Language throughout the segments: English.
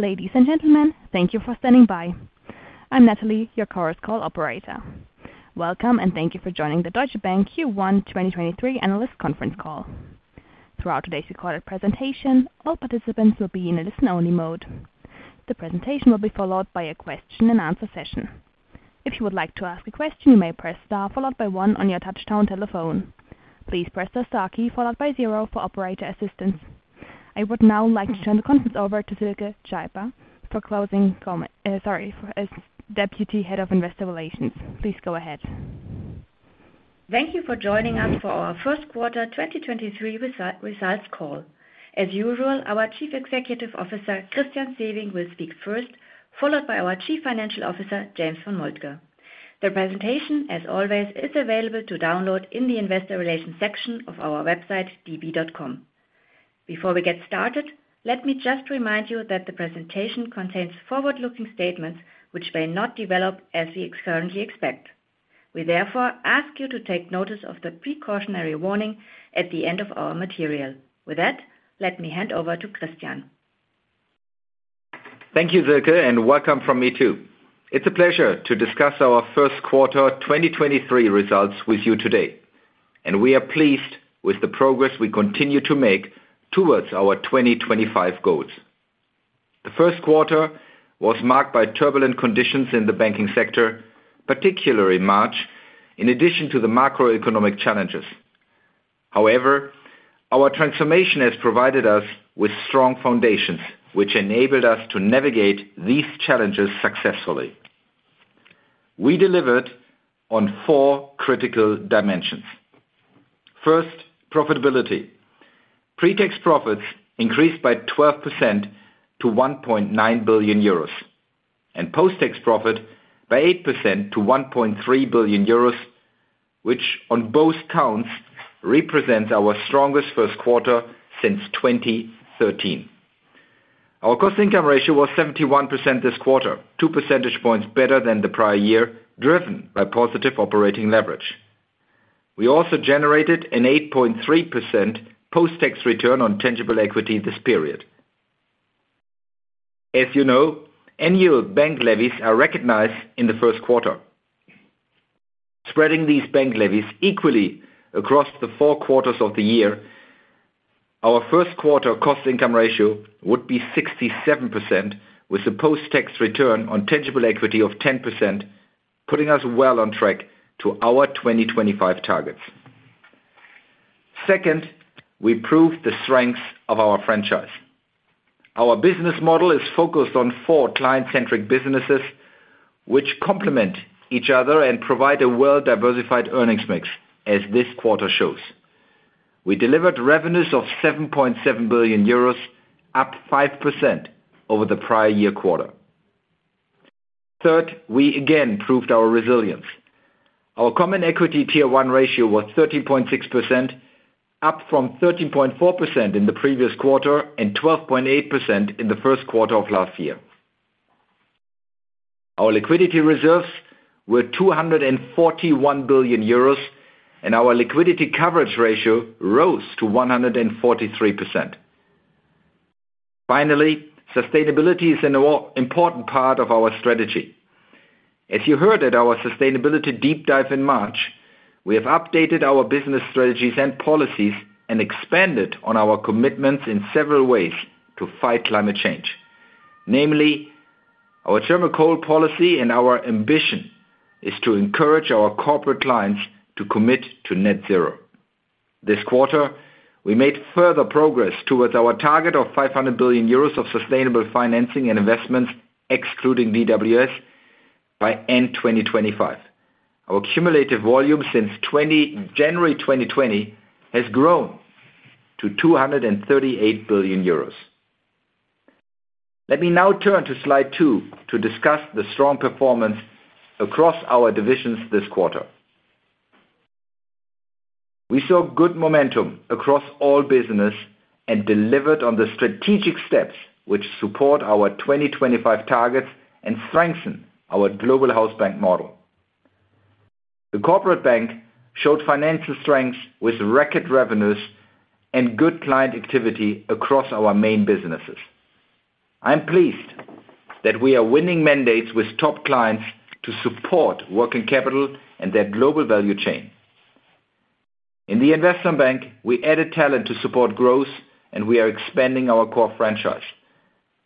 Ladies and gentlemen, thank you for standing by. I'm Natalie, your chorus call operator. Welcome, and thank you for joining the Deutsche Bank Q1 2023 Analyst Conference Call. Throughout today's recorded presentation, all participants will be in a listen-only mode. The presentation will be followed by a question-and-answer session. If you would like to ask a question, you may press Star followed by one on your touchtone telephone. Please press the Star key followed by zero for operator assistance. I would now like to turn the conference over to Silke Szypa, sorry, for as Deputy Head of Investor Relations. Please go ahead. Thank you for joining us for our Q1 2023 Resi-results call. As usual, our Chief Executive Officer, Christian Sewing, will speak first, followed by our Chief Financial Officer, James von Moltke. The presentation, as always, is available to download in the investor relations section of our website, db.com. Before we get started, let me just remind you that the presentation contains forward-looking statements which may not develop as we currently expect. We therefore ask you to take notice of the precautionary warning at the end of our material. With that, let me hand over to Christian. Thank you, Silke, and welcome from me too. It's a pleasure to discuss our Q1 2023 results with you today, and we are pleased with the progress we continue to make towards our 2025 goals. The Q1 was marked by turbulent conditions in the banking sector, particularly March, in addition to the macroeconomic challenges. However, our transformation has provided us with strong foundations, which enabled us to navigate these challenges successfully. We delivered on four critical dimensions. First, profitability. Pre-tax profits increased by 12% to 1.9 billion euros, and post-tax profit by 8% to 1.3 billion euros, which on both counts represents our strongest Q1 since 2013. Our cost/income ratio was 71% this quarter, two percentage points better than the prior year, driven by positive operating leverage. We also generated an 8.3% post-tax return on tangible equity this period. As you know, annual bank levies are recognized in the Q1. Spreading these bank levies equally across the four quarters of the year, our Q1 cost/income ratio would be 67% with a post-tax return on tangible equity of 10%, putting us well on track to our 2025 targets. Second, we proved the strengths of our franchise. Our business model is focused on four client-centric businesses which complement each other and provide a well-diversified earnings mix, as this quarter shows. We delivered revenues of 7.7 billion euros, up 5% over the prior year quarter. Third, we again proved our resilience. Our common equity Tier 1 ratio was 13.6%, up from 13.4% in the previous quarter and 12.8% in the Q1 of last year. Our liquidity reserves were 241 billion euros, and our liquidity coverage ratio rose to 143%. Sustainability is an important part of our strategy. As you heard at our Sustainability Deep Dive in March, we have updated our business strategies and policies and expanded on our commitments in several ways to fight climate change. Namely, our term coal policy and our ambition is to encourage our corporate clients to commit to net zero. This quarter, we made further progress towards our target of 500 billions euros of sustainable financing and investments, excluding DWS, by end 2025. Our cumulative volume since twenty. January 2020 has grown to 238 billion euros. Let me now turn to slide two to discuss the strong performance across our divisions this quarter. We saw good momentum across all business and delivered on the strategic steps which support our 2025 targets and strengthen our global house bank model. The Corporate Bank showed financial strength with record revenues and good client activity across our main businesses. I'm pleased that we are winning mandates with top clients to support working capital and their global value chain. In the Investment Bank, we added talent to support growth, and we are expanding our core franchise.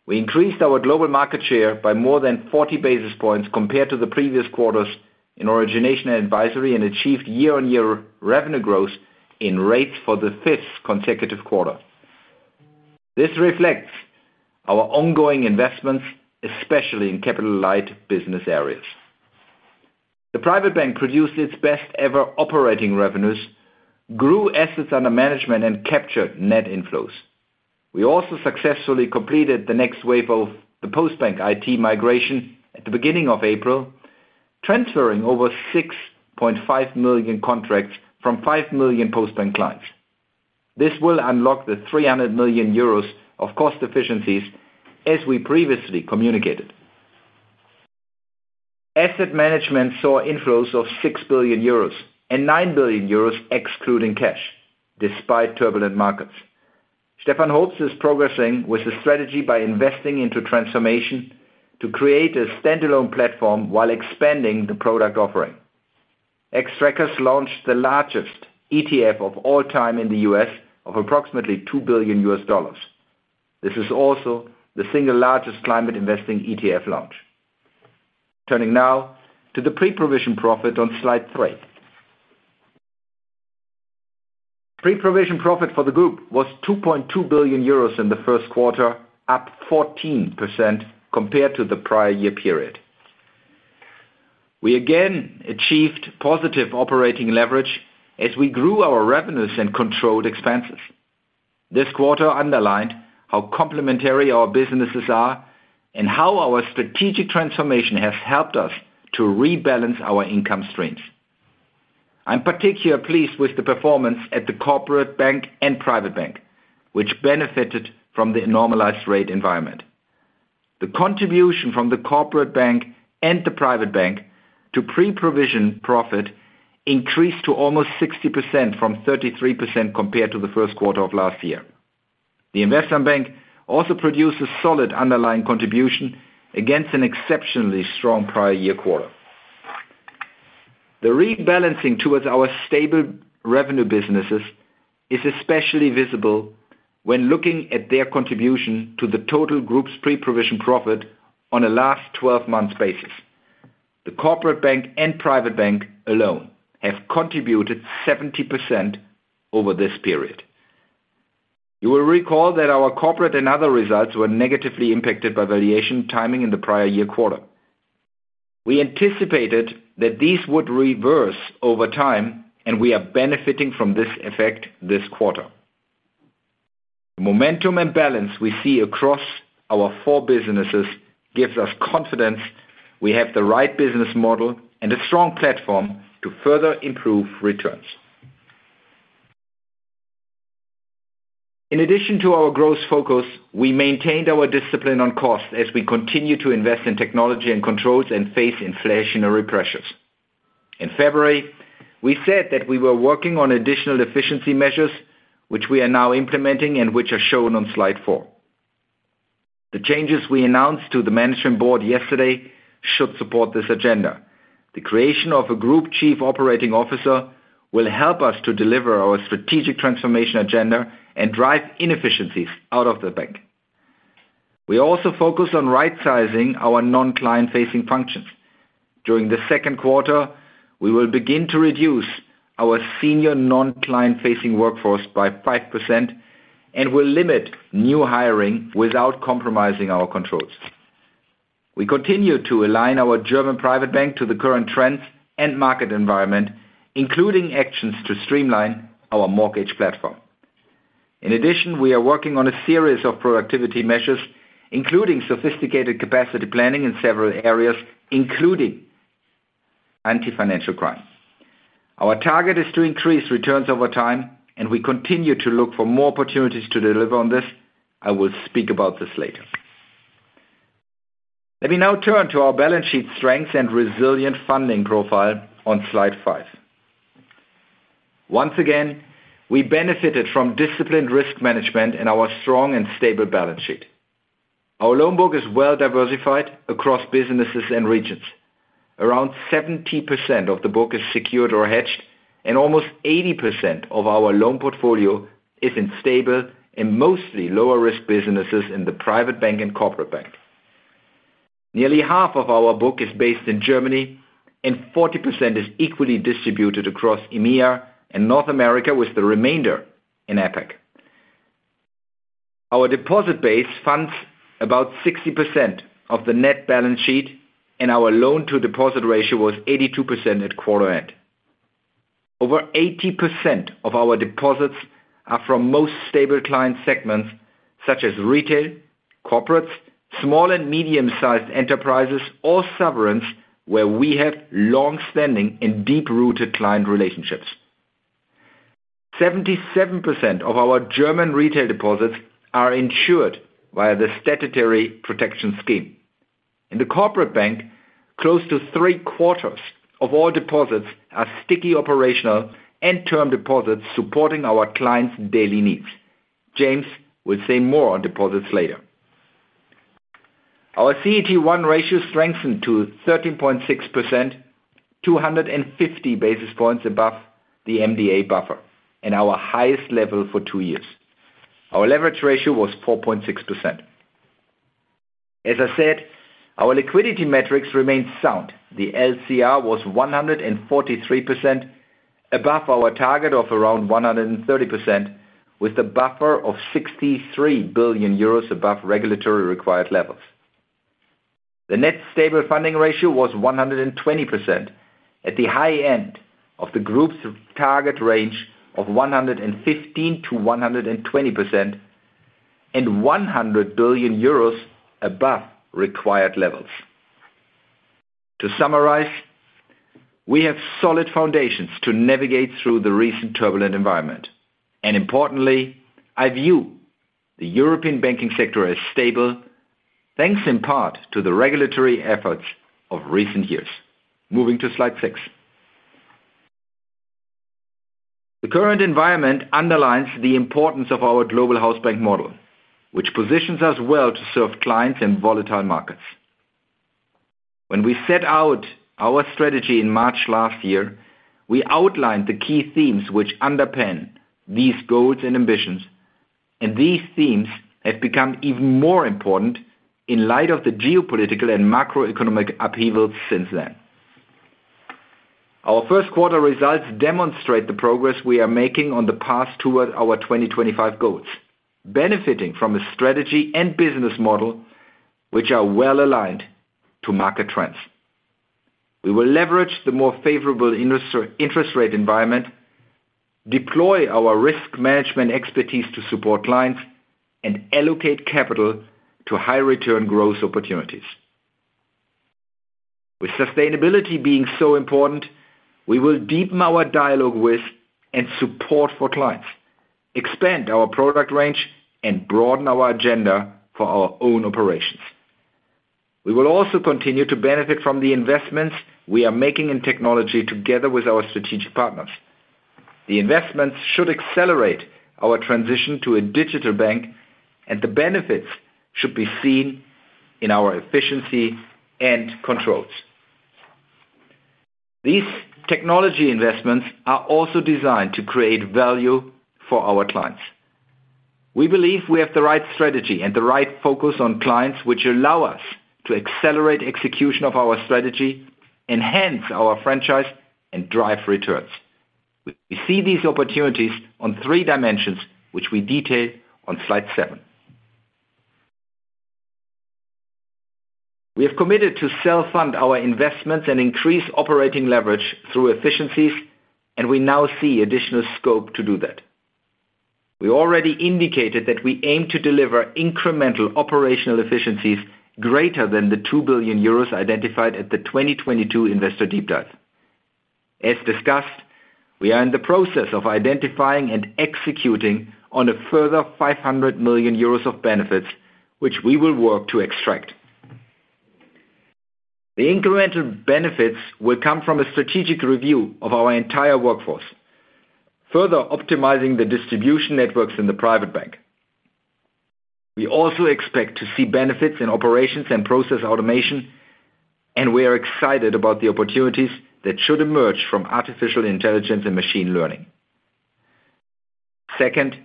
We increased our global market share by more than 40 basis points compared to the previous quarters in Origination & Advisory and achieved year-on-year revenue growth in rates for the fifth consecutive quarter. This reflects our ongoing investments, especially in capital light business areas. The private bank produced its best ever operating revenues, grew assets under management, and captured net inflows. We also successfully completed the next wave of the Postbank IT migration at the beginning of April, transferring over 6.5 million contracts from five million Postbank clients. This will unlock the 300 million euros of cost efficiencies, as we previously communicated. Asset management saw inflows of 6 billion euros and 9 billion euros excluding cash despite turbulent markets. Stefan Hoops is progressing with the strategy by investing into transformation to create a standalone platform while expanding the product offering. Xtrackers launched the largest ETF of all time in the US of approximately $2 billion. This is also the single largest climate investing ETF launch. Turning now to the pre-provision profit on slide three. Pre-provision profit for the group was 2.2 billion euros in the Q1, up 14% compared to the prior-year period. We again achieved positive operating leverage as we grew our revenues and controlled expenses. This quarter underlined how complementary our businesses are and how our strategic transformation has helped us to rebalance our income streams. I'm particularly pleased with the performance at the Corporate Bank and Private Bank, which benefited from the normalized rate environment. The contribution from the Corporate Bank and the Private Bank to pre-provision profit increased to almost 60% from 33% compared to the Q1 of last year. The Investment Bank also produces solid underlying contribution against an exceptionally strong prior-year quarter. The rebalancing towards our stable revenue businesses is especially visible when looking at their contribution to the total group's pre-provision profit on a last 12 months basis. The Corporate Bank and Private Bank alone have contributed 70% over this period. You will recall that our Corporate & Other results were negatively impacted by valuation timing in the prior year quarter. We anticipated that these would reverse over time, and we are benefiting from this effect this quarter. The momentum and balance we see across our four businesses gives us confidence we have the right business model and a strong platform to further improve returns. In addition to our growth focus, we maintained our discipline on cost as we continue to invest in technology and controls and face inflationary pressures. In February, we said that we were working on additional efficiency measures, which we are now implementing and which are shown on slide four. The changes we announced to the Management Board yesterday should support this agenda. The creation of a Group Chief Operating Officer will help us to deliver our strategic transformation agenda and drive inefficiencies out of the bank. We also focus on rightsizing our non-client facing functions. During the Q2, we will begin to reduce our senior non-client facing workforce by 5% and will limit new hiring without compromising our controls. We continue to align our German Private Bank to the current trends and market environment, including actions to streamline our mortgage platform. In addition, we are working on a series of productivity measures, including sophisticated capacity planning in several areas, including anti-financial crime. Our target is to increase returns over time, and we continue to look for more opportunities to deliver on this. I will speak about this later. Let me now turn to our balance sheet strengths and resilient funding profile on slide five. Once again, we benefited from disciplined risk management and our strong and stable balance sheet. Our loan book is well diversified across businesses and regions. Around 70% of the book is secured or hedged. Almost 80% of our loan portfolio is in stable and mostly lower risk businesses in the private bank and corporate bank. Nearly half of our book is based in Germany and 40% is equally distributed across EMEA and North America, with the remainder in APAC. Our deposit base funds about 60% of the net balance sheet. Our loan to deposit ratio was 82% at quarter end. Over 80% of our deposits are from most stable client segments such as retail, corporates, small and medium sized enterprises or sovereigns, where we have long standing and deep-rooted client relationships. 77% of our German retail deposits are insured via the statutory protection scheme. In the corporate bank, close to three-quarters of all deposits are sticky operational and term deposits supporting our clients daily needs. James von Moltke will say more on deposits later. Our CET1 ratio strengthened to 13.6%, 250 basis points above the MDA buffer and our highest level for two years. Our leverage ratio was 4.6%. As I said, our liquidity metrics remain sound. The LCR was 143% above our target of around 130% with a buffer of 63 billion euros above regulatory required levels. The net stable funding ratio was 120% at the high end of the group's target range of 115%-120% and 100 billion euros above required levels. To summarize. We have solid foundations to navigate through the recent turbulent environment. Importantly, I view the European banking sector as stable, thanks in part to the regulatory efforts of recent years. Moving to slide six. The current environment underlines the importance of our global house bank model, which positions us well to serve clients in volatile markets. When we set out our strategy in March last year, we outlined the key themes which underpin these goals and ambitions. These themes have become even more important in light of the geopolitical and macroeconomic upheaval since then. Our Q1 results demonstrate the progress we are making on the path toward our 2025 goals, benefiting from a strategy and business model which are well aligned to market trends. We will leverage the more favorable interest rate environment, deploy our risk management expertise to support clients, and allocate capital to high return growth opportunities. With sustainability being so important, we will deepen our dialogue with and support for clients, expand our product range, and broaden our agenda for our own operations. We will also continue to benefit from the investments we are making in technology together with our strategic partners. The investments should accelerate our transition to a digital bank, and the benefits should be seen in our efficiency and controls. These technology investments are also designed to create value for our clients. We believe we have the right strategy and the right focus on clients which allow us to accelerate execution of our strategy, enhance our franchise, and drive returns. We see these opportunities on three dimensions, which we detail on slide seven. We have committed to self-fund our investments and increase operating leverage through efficiencies. We now see additional scope to do that. We already indicated that we aim to deliver incremental operational efficiencies greater than the 2 billion euros identified at the 2022 Investor Deep Dive. As discussed, we are in the process of identifying and executing on a further 500 million euros of benefits, which we will work to extract. The incremental benefits will come from a strategic review of our entire workforce, further optimizing the distribution networks in the private bank. We also expect to see benefits in operations and process automation, and we are excited about the opportunities that should emerge from artificial intelligence and machine learning. Second,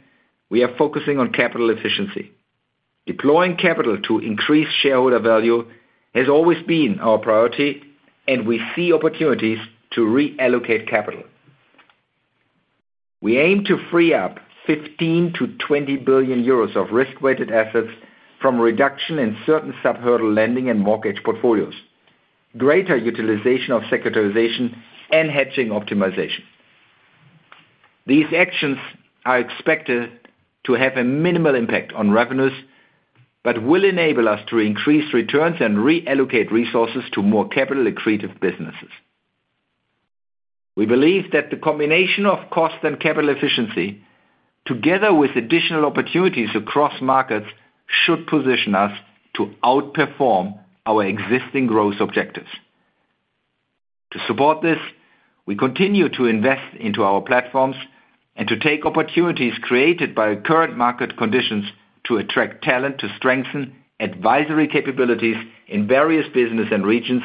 we are focusing on capital efficiency. Deploying capital to increase shareholder value has always been our priority, and we see opportunities to reallocate capital. We aim to free up 15 billion-20 billion euros of risk-weighted assets from reduction in certain sub-hurdle lending and mortgage portfolios, greater utilization of securitization and hedging optimization. These actions are expected to have a minimal impact on revenues but will enable us to increase returns and reallocate resources to more capital accretive businesses. We believe that the combination of cost and capital efficiency, together with additional opportunities across markets, should position us to outperform our existing growth objectives. To support this, we continue to invest into our platforms and to take opportunities created by current market conditions to attract talent to strengthen advisory capabilities in various business and regions,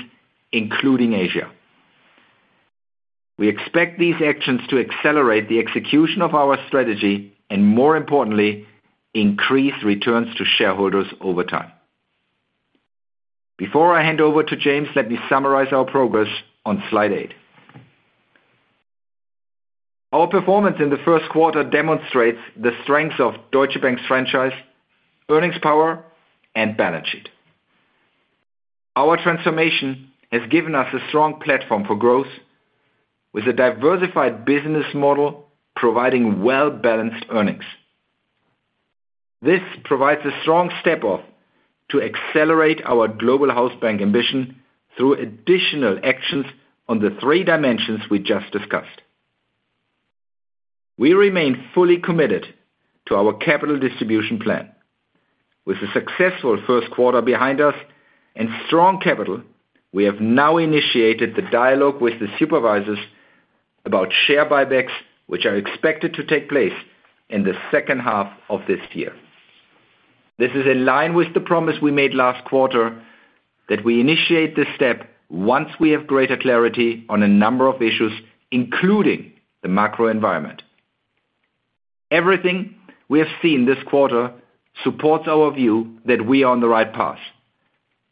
including Asia. We expect these actions to accelerate the execution of our strategy and, more importantly, increase returns to shareholders over time. Before I hand over to James, let me summarize our progress on slide eight. Our performance in the Q1 demonstrates the strengths of Deutsche Bank's franchise, earnings power, and balance sheet. Our transformation has given us a strong platform for growth with a diversified business model providing well-balanced earnings. This provides a strong step-off to accelerate our global house bank ambition through additional actions on the three dimensions we just discussed. We remain fully committed to our capital distribution plan. With a successful Q1 behind us and strong capital, we have now initiated the dialogue with the supervisors about share buybacks, which are expected to take place in the second half of this year. This is in line with the promise we made last quarter that we initiate this step once we have greater clarity on a number of issues, including the macro environment. Everything we have seen this quarter supports our view that we are on the right path.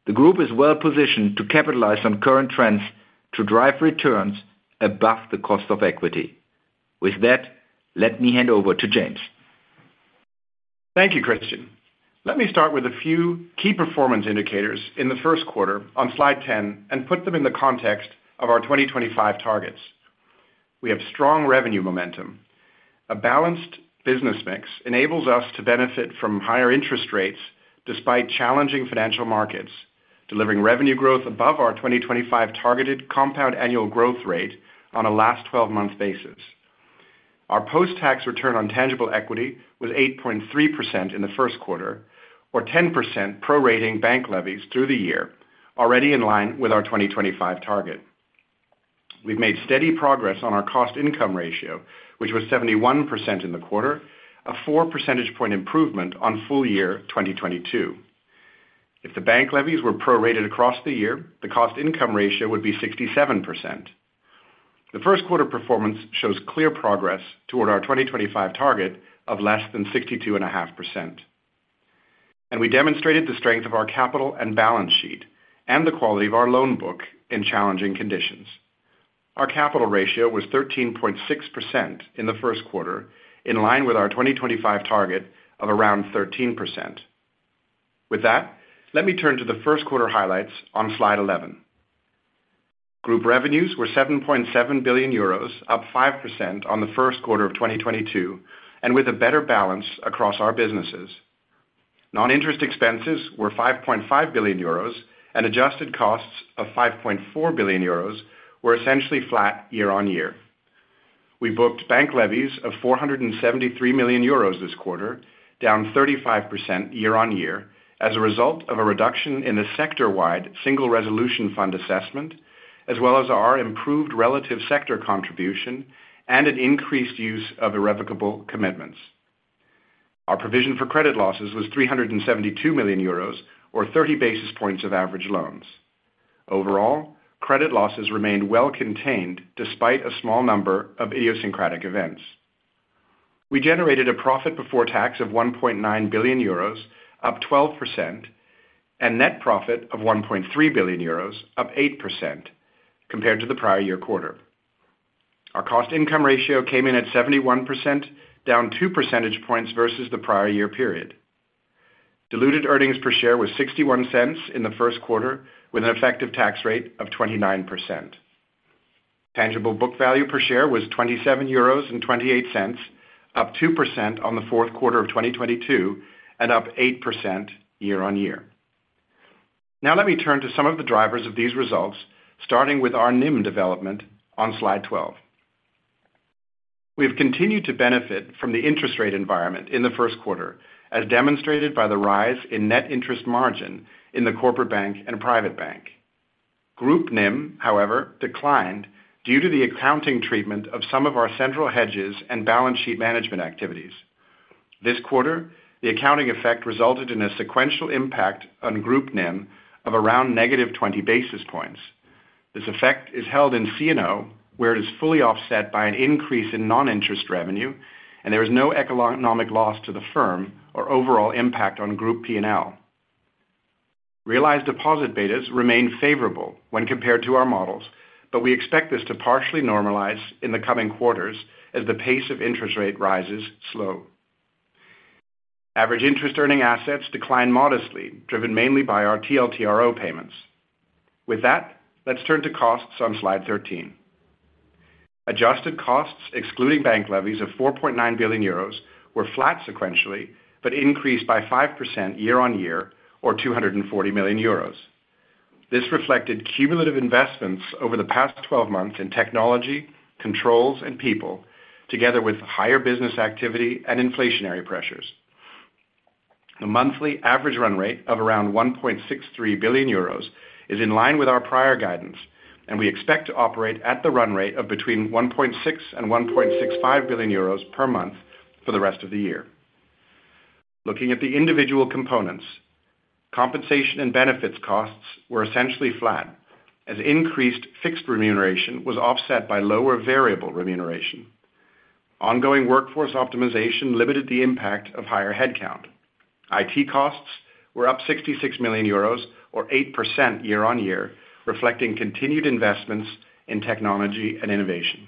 The group is well positioned to capitalize on current trends to drive returns above the cost of equity. With that, let me hand over to James. Thank you, Christian. Let me start with a few key performance indicators in the Q1 on slide 10 and put them in the context of our 2025 targets. We have strong revenue momentum. A balanced business mix enables us to benefit from higher interest rates despite challenging financial markets, delivering revenue growth above our 2025 targeted compound annual growth rate on a last 12-month basis. Our post-tax return on tangible equity was 8.3% in the Q1, or 10% prorating bank levies through the year, already in line with our 2025 target. We've made steady progress on our cost/income ratio, which was 71% in the quarter, a four-percentage point improvement on full year 2022. If the bank levies were prorated across the year, the cost/income ratio would be 67%. The Q1 performance shows clear progress toward our 2025 target of less than 62.5%. We demonstrated the strength of our capital and balance sheet and the quality of our loan book in challenging conditions. Our capital ratio was 13.6% in the Q1, in line with our 2025 target of around 13%. With that, let me turn to the Q1 highlights on slide 11. Group revenues were 7.7 billion euros, up 5% on the Q1 of 2022, and with a better balance across our businesses. Non-interest expenses were 5.5 billion euros, and adjusted costs of 5.4 billion euros were essentially flat year-on-year. We booked bank levies of 473 million euros this quarter, down 35% year-on-year as a result of a reduction in the sector-wide Single Resolution Fund assessment, as well as our improved relative sector contribution and an increased use of irrevocable commitments. Our provision for credit losses was 372 million euros, or 30 basis points of average loans. Overall, credit losses remained well contained despite a small number of idiosyncratic events. We generated a profit before tax of 1.9 billion euros, up 12%, and net profit of 1.3 billion euros, up 8% compared to the prior year quarter. Our cost/income ratio came in at 71%, down two percentage points versus the prior year period. Diluted earnings per share was 0.61 in the Q1, with an effective tax rate of 29%. Tangible book value per share was 27.28 euros, up 2% on fourth quarter 2022, and up 8% year-on-year. Now let me turn to some of the drivers of these results, starting with our NIM development on Slide 12. We have continued to benefit from the interest rate environment in Q1, as demonstrated by the rise in net interest margin in the Corporate Bank and Private Bank. Group NIM, however, declined due to the accounting treatment of some of our central hedges and balance sheet management activities. This quarter, the accounting effect resulted in a sequential impact on group NIM of around -20 basis points. This effect is held in C&O, where it is fully offset by an increase in non-interest revenue, and there is no economic loss to the firm or overall impact on Group P&L. Realized deposit betas remain favorable when compared to our models. We expect this to partially normalize in the coming quarters as the pace of interest rate rises slow. Average interest earning assets decline modestly, driven mainly by our TLTRO payments. With that, let's turn to costs on slide 13. Adjusted costs excluding bank levies of 4.9 billion euros were flat sequentially. Increased by 5% year-on-year or 240 million euros. This reflected cumulative investments over the past 12 months in technology, controls, and people together with higher business activity and inflationary pressures. The monthly average run rate of around 1.63 billion euros is in line with our prior guidance. We expect to operate at the run rate of between 1.6 billion and 1.65 billion euros per month for the rest of the year. Looking at the individual components, compensation and benefits costs were essentially flat as increased fixed remuneration was offset by lower variable remuneration. Ongoing workforce optimization limited the impact of higher headcount. IT costs were up 66 million euros or 8% year-on-year, reflecting continued investments in technology and innovation.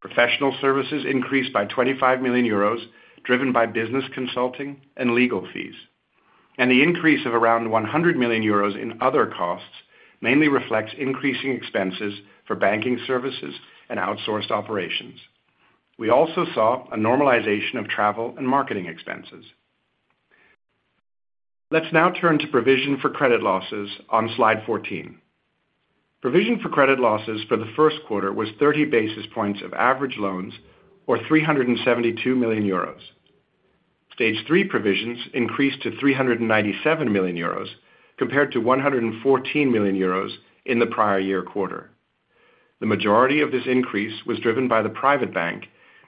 Professional services increased by 25 million euros, driven by business consulting and legal fees. The increase of around 100 million euros in other costs mainly reflects increasing expenses for banking services and outsourced operations. We also saw a normalization of travel and marketing expenses. Let's now turn to provision for credit losses on slide 14. Provision for credit losses for the Q1 was 30 basis points of average loans or 372 million euros. Stage three provisions increased to 397 million euros compared to 114 million euros in the prior year quarter. The majority of this increase was driven by the private bank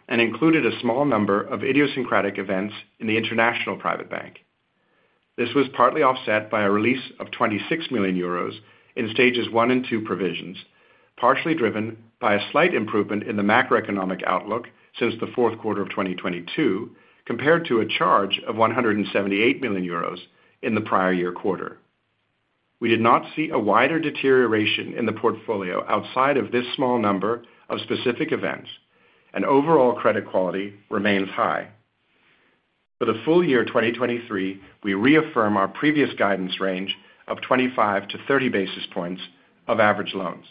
and included a small number of idiosyncratic events in the international private bank. This was partly offset by a release of 26 million euros in stages one and two provisions, partially driven by a slight improvement in the macroeconomic outlook since the fourth quarter of 2022, compared to a charge of 178 million euros in the prior year quarter. We did not see a wider deterioration in the portfolio outside of this small number of specific events, and overall credit quality remains high. For the full year 2023, we reaffirm our previous guidance range of 25-30 basis points of average loans.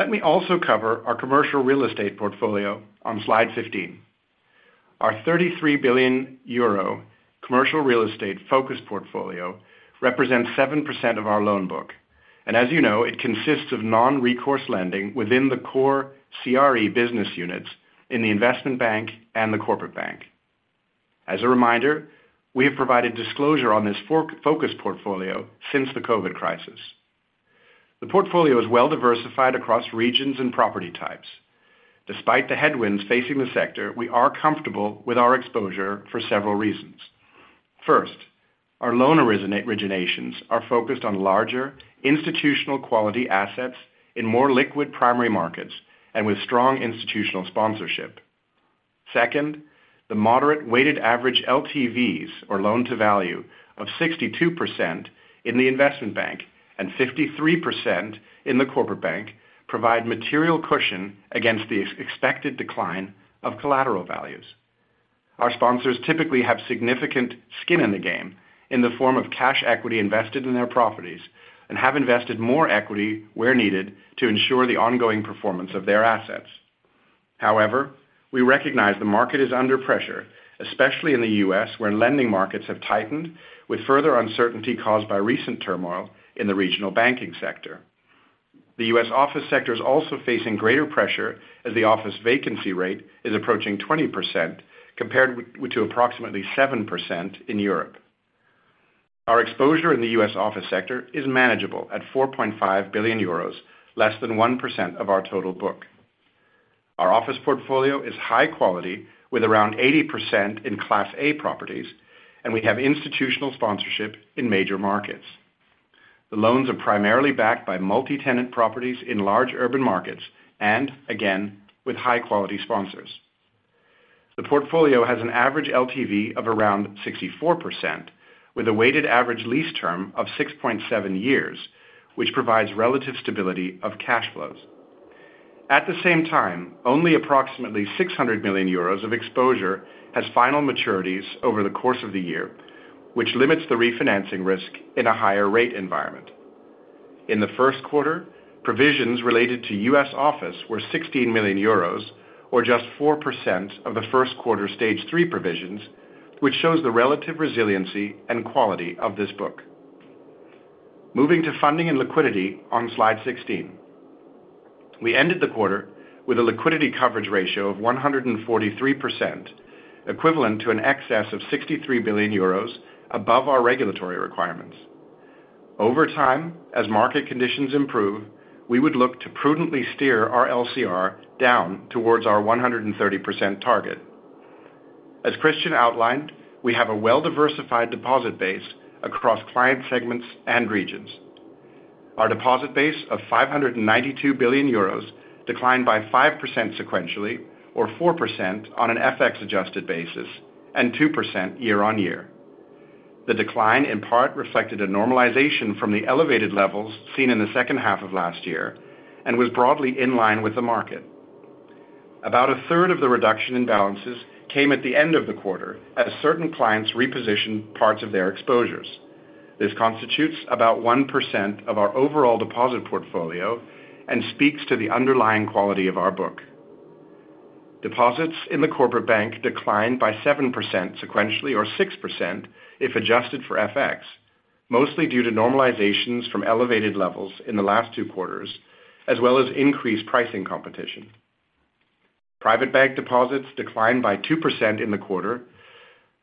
Let me also cover our commercial real estate portfolio on slide 15. Our 33 billion euro commercial real estate focused portfolio represents 7% of our loan book. As you know, it consists of non-recourse lending within the core CRE business units in the investment bank and the corporate bank. As a reminder, we have provided disclosure on this focus portfolio since the COVID crisis. The portfolio is well diversified across regions and property types. Despite the headwinds facing the sector, we are comfortable with our exposure for several reasons. First, our loan originations are focused on larger institutional quality assets in more liquid primary markets and with strong institutional sponsorship. Second, the moderate weighted average LTVs or loan to value of 62% in the investment bank and 53% in the corporate bank provide material cushion against the expected decline of collateral values. Our sponsors typically have significant skin in the game in the form of cash equity invested in their properties and have invested more equity where needed to ensure the ongoing performance of their assets. However we recognize the market is under pressure, especially in the US, where lending markets have tightened with further uncertainty caused by recent turmoil in the regional banking sector. The US office sector is also facing greater pressure as the office vacancy rate is approaching 20% compared with approximately 7% in Europe. Our exposure in the US office sector is manageable at 4.5 billion euros, less than 1% of our total book. Our office portfolio is high quality with around 80% in class A properties, and we have institutional sponsorship in major markets. The loans are primarily backed by multi-tenant properties in large urban markets and again with high-quality sponsors. The portfolio has an average LTV of around 64%, with a weighted average lease term of 6.7 years, which provides relative stability of cash flows. At the same time, only approximately 600 million euros of exposure has final maturities over the course of the year, which limits the refinancing risk in a higher rate environment. In the Q1, provisions related to US office were 16 million euros, or just 4% of theQ1 Stage three provisions, which shows the relative resiliency and quality of this book. Moving to funding and liquidity on slide 16. We ended the quarter with a liquidity coverage ratio of 143%, equivalent to an excess of 63 billion euros above our regulatory requirements. Over time, as market conditions improve, we would look to prudently steer our LCR down towards our 130% target. As Christian outlined, we have a well-diversified deposit base across client segments and regions. Our deposit base of 592 billion euros declined by 5% sequentially or 4% on an FX-adjusted basis, and 2% year-on-year. The decline in part reflected a normalization from the elevated levels seen in the second half of last year and was broadly in line with the market. About a third of the reduction in balances came at the end of the quarter as certain clients repositioned parts of their exposures. This constitutes about 1% of our overall deposit portfolio and speaks to the underlying quality of our book. Deposits in the Corporate Bank declined by 7% sequentially or 6% if adjusted for FX, mostly due to normalizations from elevated levels in the last two quarters, as well as increased pricing competition. Private Bank deposits declined by 2% in the quarter.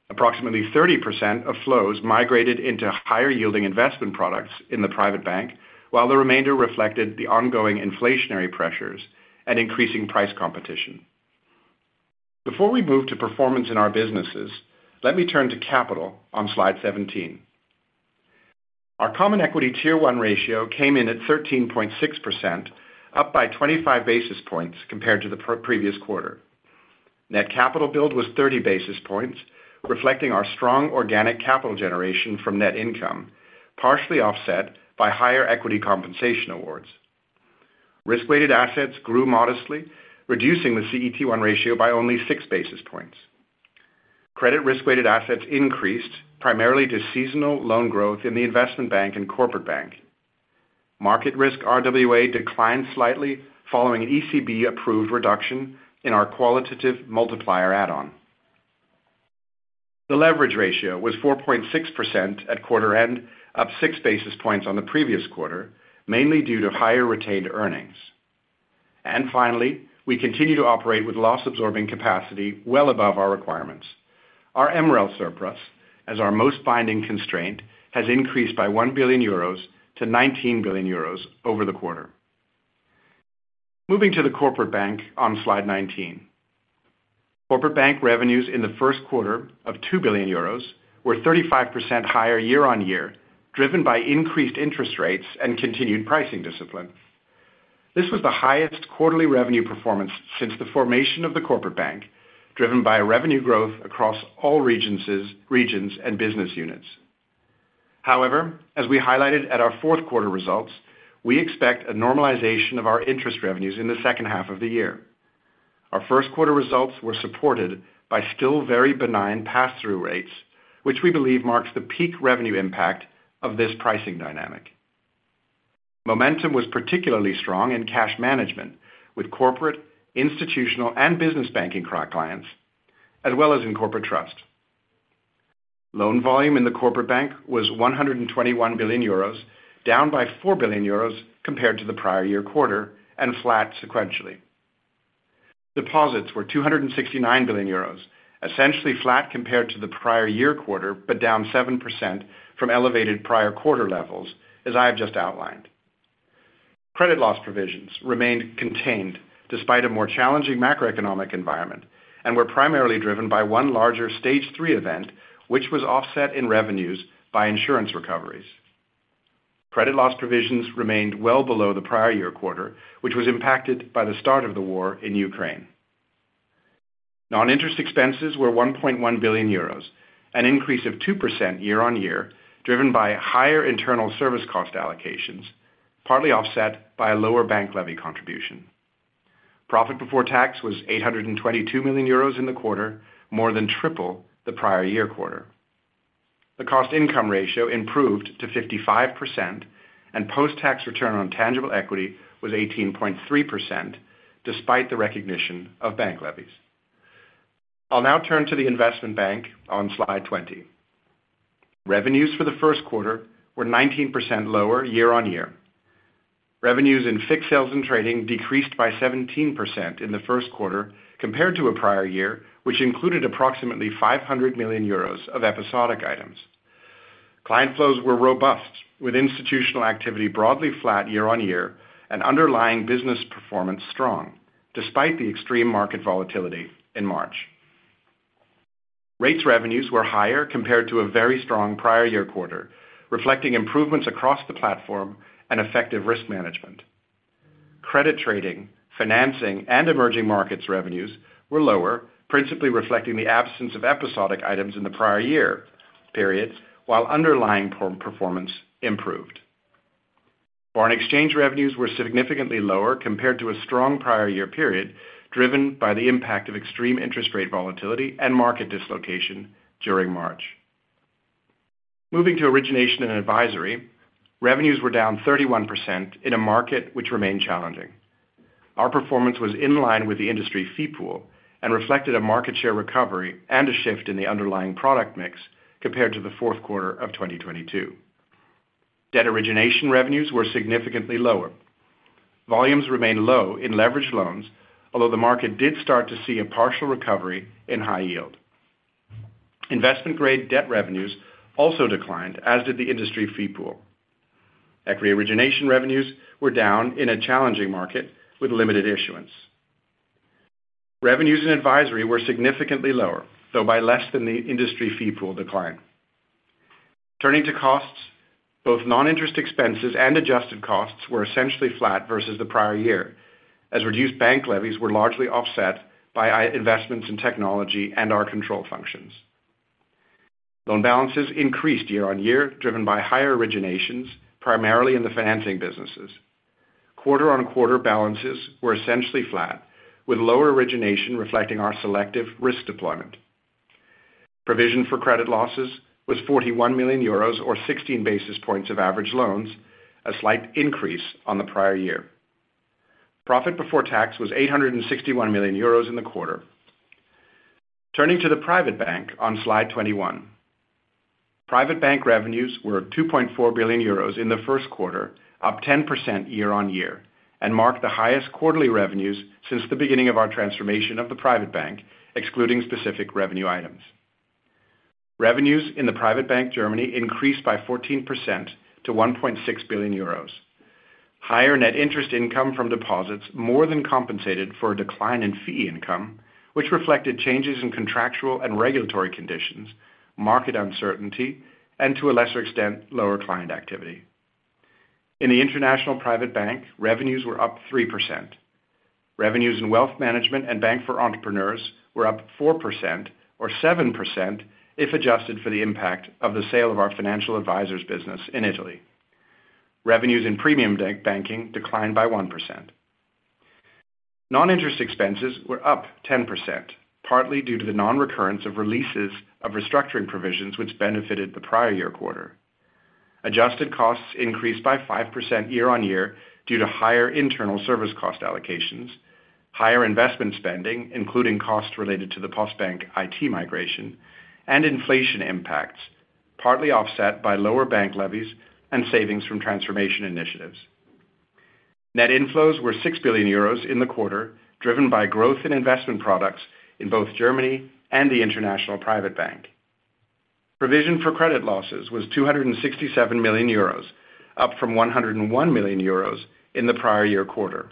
Approximately 30% of flows migrated into higher yielding investment products in the Private Bank, while the remainder reflected the ongoing inflationary pressures and increasing price competition. Before we move to performance in our businesses, let me turn to capital on slide 17. Our Common equity Tier 1 ratio came in at 13.6%, up by 25 basis points compared to the pre-previous quarter. Net capital build was 30 basis points, reflecting our strong organic capital generation from net income, partially offset by higher equity compensation awards. Risk-weighted assets grew modestly, reducing the CET1 ratio by only 6 basis points. Credit risk-weighted assets increased primarily to seasonal loan growth in the Investment Bank and Corporate Bank. Market risk RWA declined slightly following an ECB-approved reduction in our qualitative multiplier add-on. The leverage ratio was 4.6% at quarter end, up 6 basis points on the previous quarter, mainly due to higher retained earnings. Finally, we continue to operate with loss-absorbing capacity well above our requirements. Our MREL surplus, as our most binding constraint, has increased by 1 billion euros to 19 billion euros over the quarter. Moving to the Corporate Bank on slide 19. Corporate Bank revenues in the Q1 of 2 billion euros were 35% higher year-on-year, driven by increased interest rates and continued pricing discipline. This was the highest quarterly revenue performance since the formation of the Corporate Bank, driven by revenue growth across all regions and business units. However as we highlighted at our fourth quarter results, we expect a normalization of our interest revenues in the second half of the year. Our Q1 results were supported by still very benign pass-through rates, which we believe marks the peak revenue impact of this pricing dynamic. Momentum was particularly strong in cash management with corporate, institutional, and business banking clients, as well as in Corporate Trust. Loan volume in the Corporate Bank was 121 billion euros, down by 4 billion euros compared to the prior year quarter and flat sequentially. Deposits were 269 billion euros, essentially flat compared to the prior year quarter, but down 7% from elevated prior quarter levels, as I have just outlined. Credit loss provisions remained contained despite a more challenging macroeconomic environment, and were primarily driven by one larger Stage three event, which was offset in revenues by insurance recoveries. Credit loss provisions remained well below the prior year quarter, which was impacted by the start of the war in Ukraine. Non-interest expenses were 1.1 billion euros, an increase of 2% year-on-year, driven by higher internal service cost allocations, partly offset by a lower bank levy contribution. Profit before tax was 822 million euros in the quarter, more than triple the prior year quarter. The cost/income ratio improved to 55%, and post-tax return on tangible equity was 18.3% despite the recognition of bank levies. I'll now turn to the investment bank on slide 20. Revenues for the Q1 were 19% lower year-on-year. Revenues in Fixed Sales and Trading decreased by 17% in the Q1 compared to a prior year, which included approximately 500 million euros of episodic items. Client flows were robust, with institutional activity broadly flat year-on-year and underlying business performance strong despite the extreme market volatility in March. Rates revenues were higher compared to a very strong prior year quarter, reflecting improvements across the platform and effective risk management. Credit trading, financing, and emerging markets revenues were lower, principally reflecting the absence of episodic items in the prior year period, while underlying performance improved. Foreign exchange revenues were significantly lower compared to a strong prior year period, driven by the impact of extreme interest rate volatility and market dislocation during March. Moving to Origination and Advisory, revenues were down 31% in a market which remained challenging. Our performance was in line with the industry fee pool and reflected a market share recovery and a shift in the underlying product mix compared to the fourth quarter of 2022. Debt origination revenues were significantly lower. Volumes remained low in leveraged loans, although the market did start to see a partial recovery in high yield. Investment-grade debt revenues also declined, as did the industry fee pool. Equity origination revenues were down in a challenging market with limited issuance. Revenues and advisory were significantly lower, though by less than the industry fee pool decline. Turning to costs, both non-interest expenses and adjusted costs were essentially flat versus the prior year, as reduced bank levies were largely offset by investments in technology and our control functions. Loan balances increased year-on-year, driven by higher originations, primarily in the financing businesses. Quarter-on-quarter balances were essentially flat, with lower origination reflecting our selective risk deployment. Provision for credit losses was 41 million euros or 16 basis points of average loans, a slight increase on the prior year. Profit before tax was 861 million euros in the quarter. Turning to the Private Bank on slide 21. Private Bank revenues were 2.4 billion euros in the Q1, up 10% year-on-year, and marked the highest quarterly revenues since the beginning of our transformation of the Private Bank, excluding specific revenue items. Revenues in the Private Bank Germany increased by 14% to 1.6 billion euros. Higher net interest income from deposits more than compensated for a decline in fee income, which reflected changes in contractual and regulatory conditions, market uncertainty, and to a lesser extent, lower client activity. In the international private bank, revenues were up 3%. Revenues in wealth management and Bank for Entrepreneurs were up 4% or 7% if adjusted for the impact of the sale of our financial advisors business in Italy. Revenues in premium banking declined by 1%. Non-interest expenses were up 10%, partly due to the non-recurrence of releases of restructuring provisions which benefited the prior year quarter. Adjusted costs increased by 5% year-on-year due to higher internal service cost allocations, higher investment spending, including costs related to the Postbank IT migration, and inflation impacts, partly offset by lower bank levies and savings from transformation initiatives. Net inflows were 6 billion euros in the quarter, driven by growth in investment products in both Germany and the international private bank. Provision for credit losses was 267 million euros, up from 101 million euros in the prior year quarter.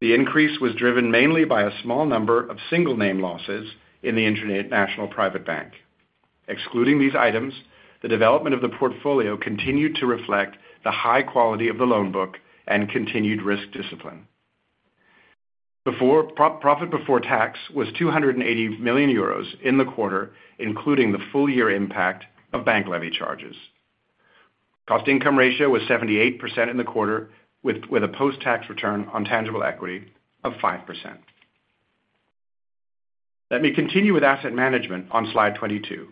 The increase was driven mainly by a small number of single name losses in the International private bank. Excluding these items, the development of the portfolio continued to reflect the high quality of the loan book and continued risk discipline. Profit before tax was 280 million euros in the quarter, including the full year impact of bank levy charges. cost/income ratio was 78% in the quarter with a post-tax return on tangible equity of 5%. Let me continue with asset management on slide 22.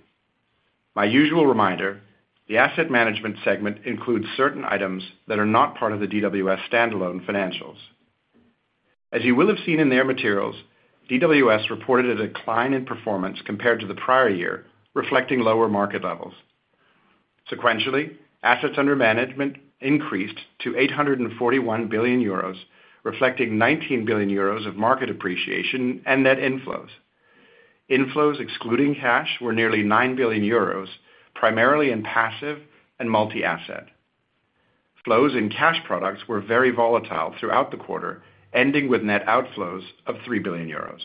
My usual reminder, the asset management segment includes certain items that are not part of the DWS standalone financials. As you will have seen in their materials, DWS reported a decline in performance compared to the prior year, reflecting lower market levels. Sequentially, assets under management increased to 841 billion euros, reflecting 19 billion euros of market appreciation and net inflows. Inflows excluding cash, were nearly 9 billion euros, primarily in passive and multi-asset. Flows in cash products were very volatile throughout the quarter, ending with net outflows of 3 billion euros.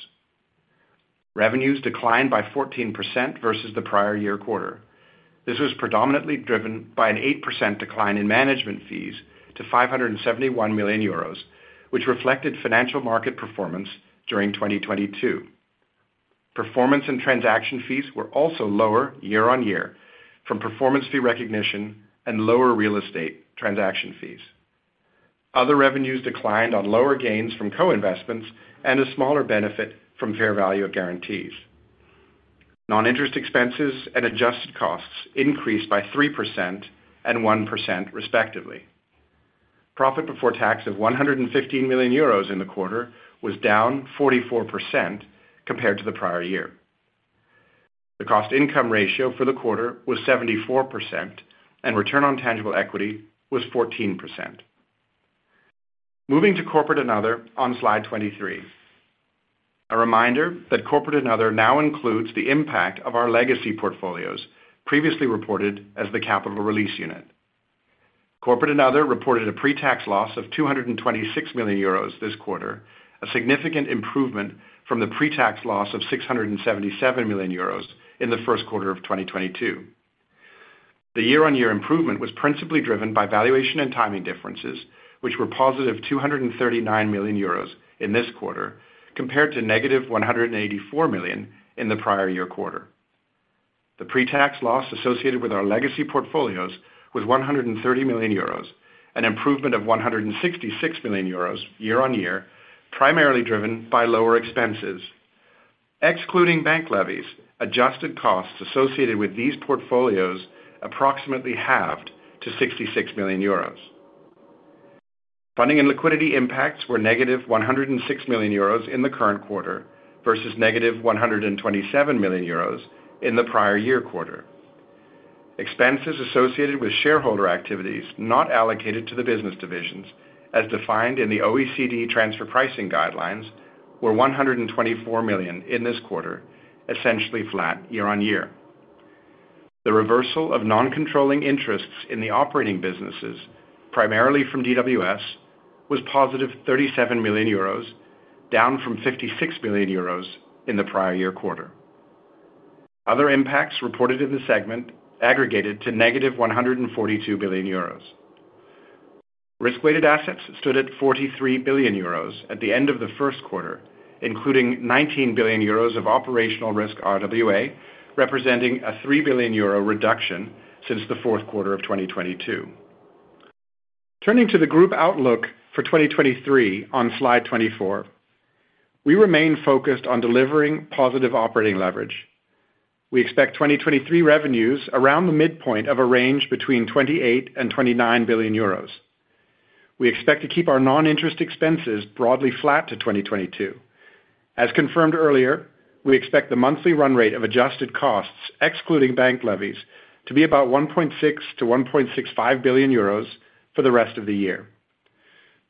Revenues declined by 14% versus the prior year quarter. This was predominantly driven by an 8% decline in management fees to 571 million euros, which reflected financial market performance during 2022. Performance and transaction fees were also lower year-on-year from performance fee recognition and lower real estate transaction fees. Other revenues declined on lower gains from co-investments and a smaller benefit from fair value of guarantees. Non-interest expenses and adjusted costs increased by 3% and 1% respectively. Profit before tax of 115 million euros in the quarter was down 44% compared to the prior year. The cost/income ratio for the quarter was 74% and return on tangible equity was 14%. Moving to Corporate & Other on slide 23. A reminder that Corporate & Other now includes the impact of our legacy portfolios previously reported as the Capital Release Unit. Corporate & Other reported a pre-tax loss of 226 million euros this quarter, a significant improvement from the pre-tax loss of 677 million euros in the Q1 of 2022. The year-on-year improvement was principally driven by valuation and timing differences, which were positive 239 million euros in this quarter, compared to negative 184 million in the prior year quarter. The pre-tax loss associated with our legacy portfolios was 130 million euros, an improvement of 166 million euros year-on-year, primarily driven by lower expenses. Excluding bank levies, adjusted costs associated with these portfolios approximately halved to 66 million euros. Funding and liquidity impacts were negative 106 million euros in the current quarter versus negative 127 million euros in the prior year quarter. Expenses associated with shareholder activities not allocated to the business divisions as defined in the OECD transfer pricing guidelines were 124 million in this quarter, essentially flat year-on-year. The reversal of non-controlling interests in the operating businesses, primarily from DWS, was positive 37 million euros, down from 56 million euros in the prior year quarter. Other impacts reported in the segment aggregated to negative 142 billion euros. Risk-weighted assets stood at 43 billion euros at the end of the Q1, including 19 billion euros of operational risk RWA, representing a 3 billion euro reduction since the fourth quarter of 2022. Turning to the group outlook for 2023 on slide 24. We remain focused on delivering positive operating leverage. We expect 2023 revenues around the midpoint of a range between 28 billion and 29 billion euros. We expect to keep our non-interest expenses broadly flat to 2022. As confirmed earlier, we expect the monthly run rate of adjusted costs, excluding bank levies, to be about 1.6 billion-1.65 billion euros for the rest of the year.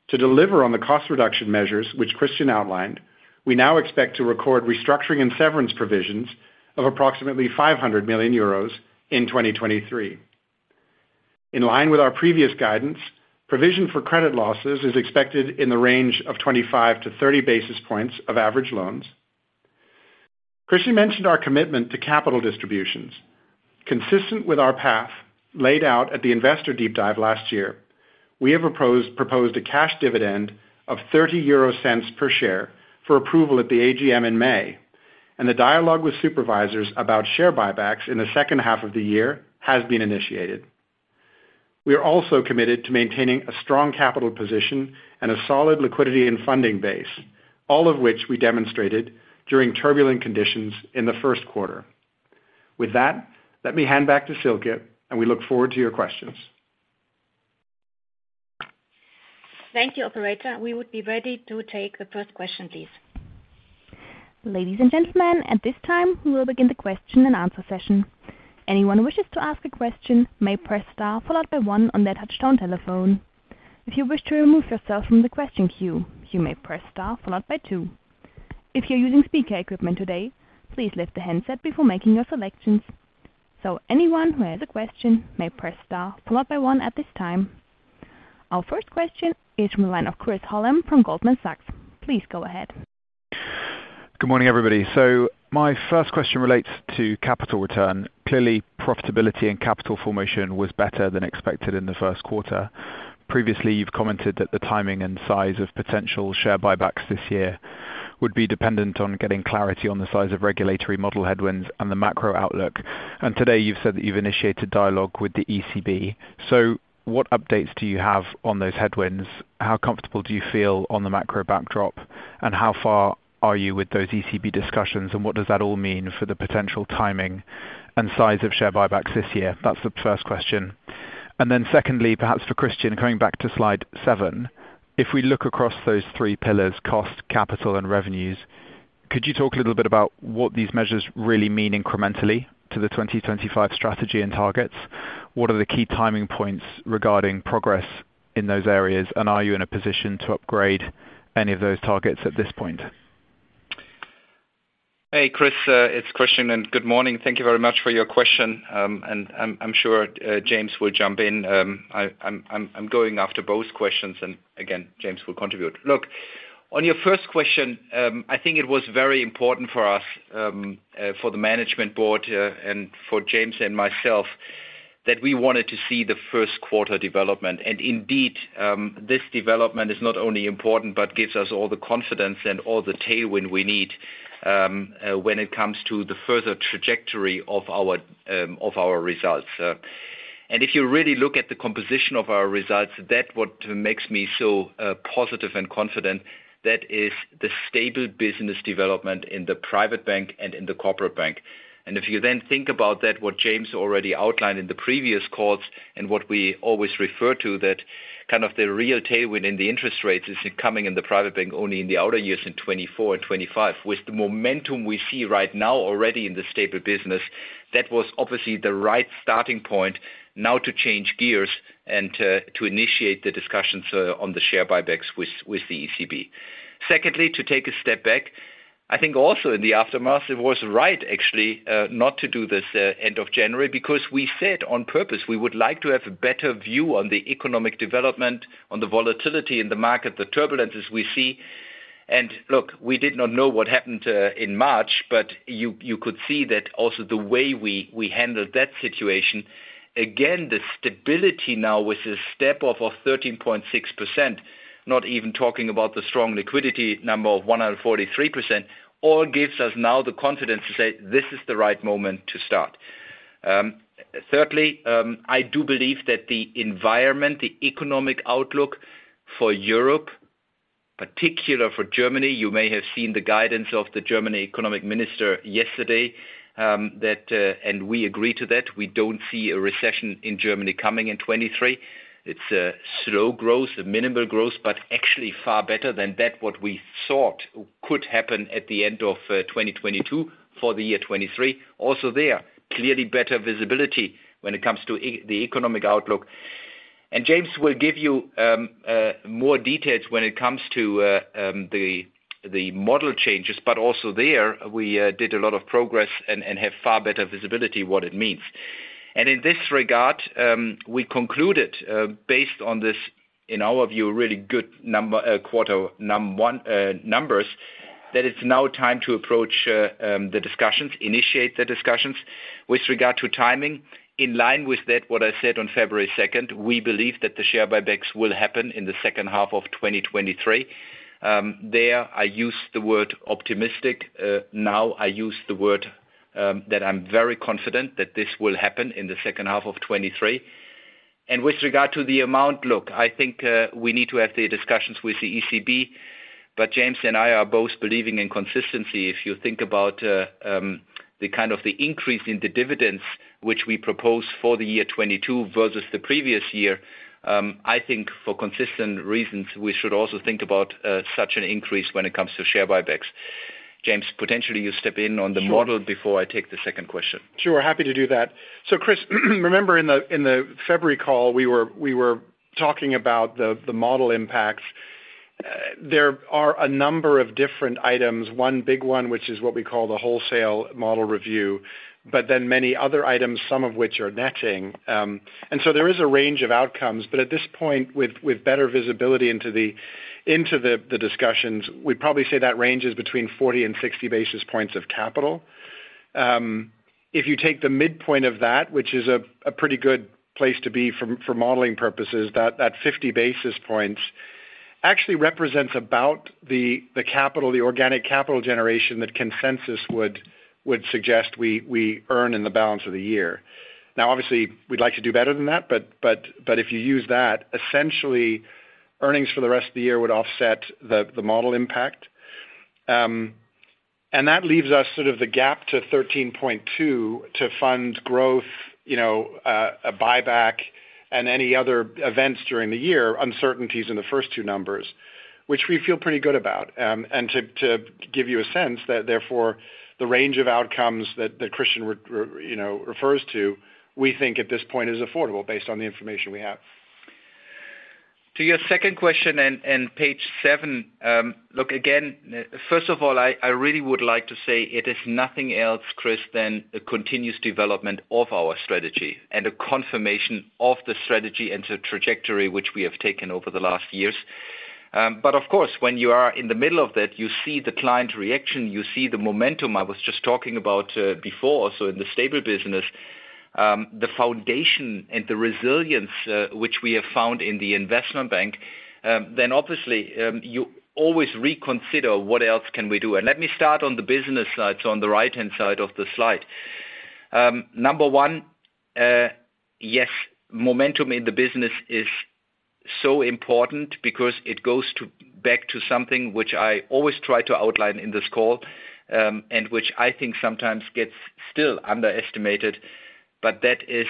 To deliver on the cost reduction measures which Christian outlined, we now expect to record restructuring and severance provisions of approximately 500 million euros in 2023. In line with our previous guidance, provision for credit losses is expected in the range of 25-30 basis points of average loans. Christian mentioned our commitment to capital distributions. Consistent with our path laid out at the investor deep dive last year, we have proposed a cash dividend of 0.30 per share for approval at the AGM in May, and the dialogue with supervisors about share buybacks in the second half of the year has been initiated. We are also committed to maintaining a strong capital position and a solid liquidity and funding base, all of which we demonstrated during turbulent conditions in the Q1. With that, let me hand back to Silke, and we look forward to your questions. Thank you. Operator, we would be ready to take the first question, please. Ladies and gentlemen, at this time, we will begin the question and answer session. Anyone who wishes to ask a question may press star followed by one on their touchtone telephone. If you wish to remove yourself from the question queue, you may press star followed by two. If you're using speaker equipment today, please lift the handset before making your selections. Anyone who has a question may press star followed by one at this time. Our first question is from the line of Chris Hallam from Goldman Sachs. Please go ahead. Good morning, everybody. My first question relates to capital return. Clearly profitability and capital formation was better than expected in the Q1. Previously, you've commented that the timing and size of potential share buybacks this year would be dependent on getting clarity on the size of regulatory model headwinds and the macro outlook. Today you've said that you've initiated dialogue with the ECB. What updates do you have on those headwinds? How comfortable do you feel on the macro backdrop? How far are you with those ECB discussions, and what does that all mean for the potential timing and size of share buybacks this year? That's the first question. Secondly, perhaps for Christian, coming back to slide seven, if we look across those three pillars, cost, capital, and revenues, could you talk a little bit about what these measures really mean incrementally to the 2025 strategy and targets? What are the key timing points regarding progress in those areas, and are you in a position to upgrade any of those targets at this point? Hey, Chris. It's Christian. Good morning. Thank you very much for your question. I'm sure, James will jump in. I'm going after both questions and again, James will contribute. Look, on your first question, I think it was very important for us, for the Management Board, and for James and myself that we wanted to see the Q1 development. Indeed, this development is not only important, but gives us all the confidence and all the tailwind we need, when it comes to the further trajectory of our, of our results. If you really look at the composition of our results, that what makes me so, positive and confident, that is the stable business development in the Private Bank and in the Corporate Bank. If you then think about that, what James already outlined in the previous calls and what we always refer to that kind of the real tailwind in the interest rates is coming in the Private Bank only in the outer years in 2024 and 2025. With the momentum we see right now already in the stable business, that was obviously the right starting point now to change gears and to initiate the discussions on the share buybacks with the ECB. Secondly, to take a step back, I think also in the aftermath, it was right actually, not to do this end of January because we said on purpose we would like to have a better view on the economic development, on the volatility in the market, the turbulence as we see. Look, we did not know what happened in March, but you could see that also the way we handled that situation. Again, the stability now with a step of a 13.6%, not even talking about the strong liquidity number of 143%, all gives us now the confidence to say this is the right moment to start. Thirdly, I do believe that the environment, the economic outlook for Europe, particular for Germany, you may have seen the guidance of the Germany economic minister yesterday, that and we agree to that. We don't see a recession in Germany coming in 2023. It's a slow growth, a minimal growth, but actually far better than that what we thought could happen at the end of 2022 for the year 2023. There, clearly better visibility when it comes to the economic outlook. James will give you more details when it comes to the model changes, but also there we did a lot of progress and have far better visibility what it means. In this regard, we concluded, based on this, in our view, really good quarter one numbers, that it's now time to approach the discussions, initiate the discussions with regard to timing. In line with that, what I said on February 2nd, we believe that the share buybacks will happen in the second half of 2023. There I used the word optimistic. Now I use the word that I'm very confident that this will happen in the second half of 2023. With regard to the amount, look, I think, we need to have the discussions with the ECB, but James and I are both believing in consistency. If you think about the kind of the increase in the dividends which we propose for the year 2022 versus the previous year, I think for consistent reasons, we should also think about such an increase when it comes to share buybacks. James, potentially you step in on the model before I take the second question. Sure. Happy to do that. Chris, remember in the February call, we were talking about the model impacts. There are a number of different items, one big one, which is what we call the wholesale model review, but then many other items, some of which are netting. There is a range of outcomes, but at this point, with better visibility into the discussions, we probably say that range is between 40 and 60 basis points of capital. If you take the midpoint of that, which is a pretty good place to be for modeling purposes, that 50 basis points actually represents about the capital, the organic capital generation that consensus would suggest we earn in the balance of the year. Obviously, we'd like to do better than that, but if you use that, essentially earnings for the rest of the year would offset the model impact. That leaves us sort of the gap to 13.2 to fund growth, you know, a buyback and any other events during the year, uncertainties in the first two numbers, which we feel pretty good about. To give you a sense that therefore the range of outcomes that Christian, you know, refers to, we think at this point is affordable based on the information we have. To your second question and page seven, look, again, first of all, I really would like to say it is nothing else, Chris, than a continuous development of our strategy and a confirmation of the strategy and the trajectory which we have taken over the last years. Of course, when you are in the middle of that, you see the client reaction, you see the momentum I was just talking about, before. In the stable business, the foundation and the resilience, which we have found in the investment bank, then obviously, you always reconsider what else can we do. Let me start on the business side, so on the right-hand side of the slide. Number one, yes, momentum in the business is so important because it goes back to something which I always try to outline in this call, and which I think sometimes gets still underestimated. That is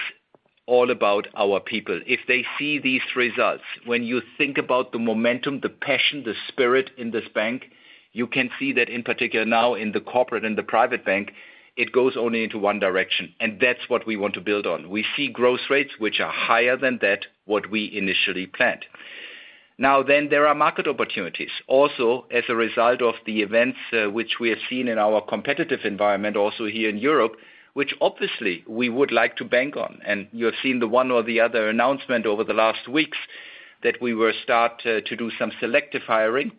all about our people. If they see these results, when you think about the momentum, the passion, the spirit in this bank, you can see that in particular now in the corporate and the private bank, it goes only into one direction, and that's what we want to build on. We see growth rates which are higher than that, what we initially planned. There are market opportunities. As a result of the events, which we have seen in our competitive environment, also here in Europe, which obviously we would like to bank on. You have seen the one or the other announcement over the last weeks that we will start to do some selective hiring.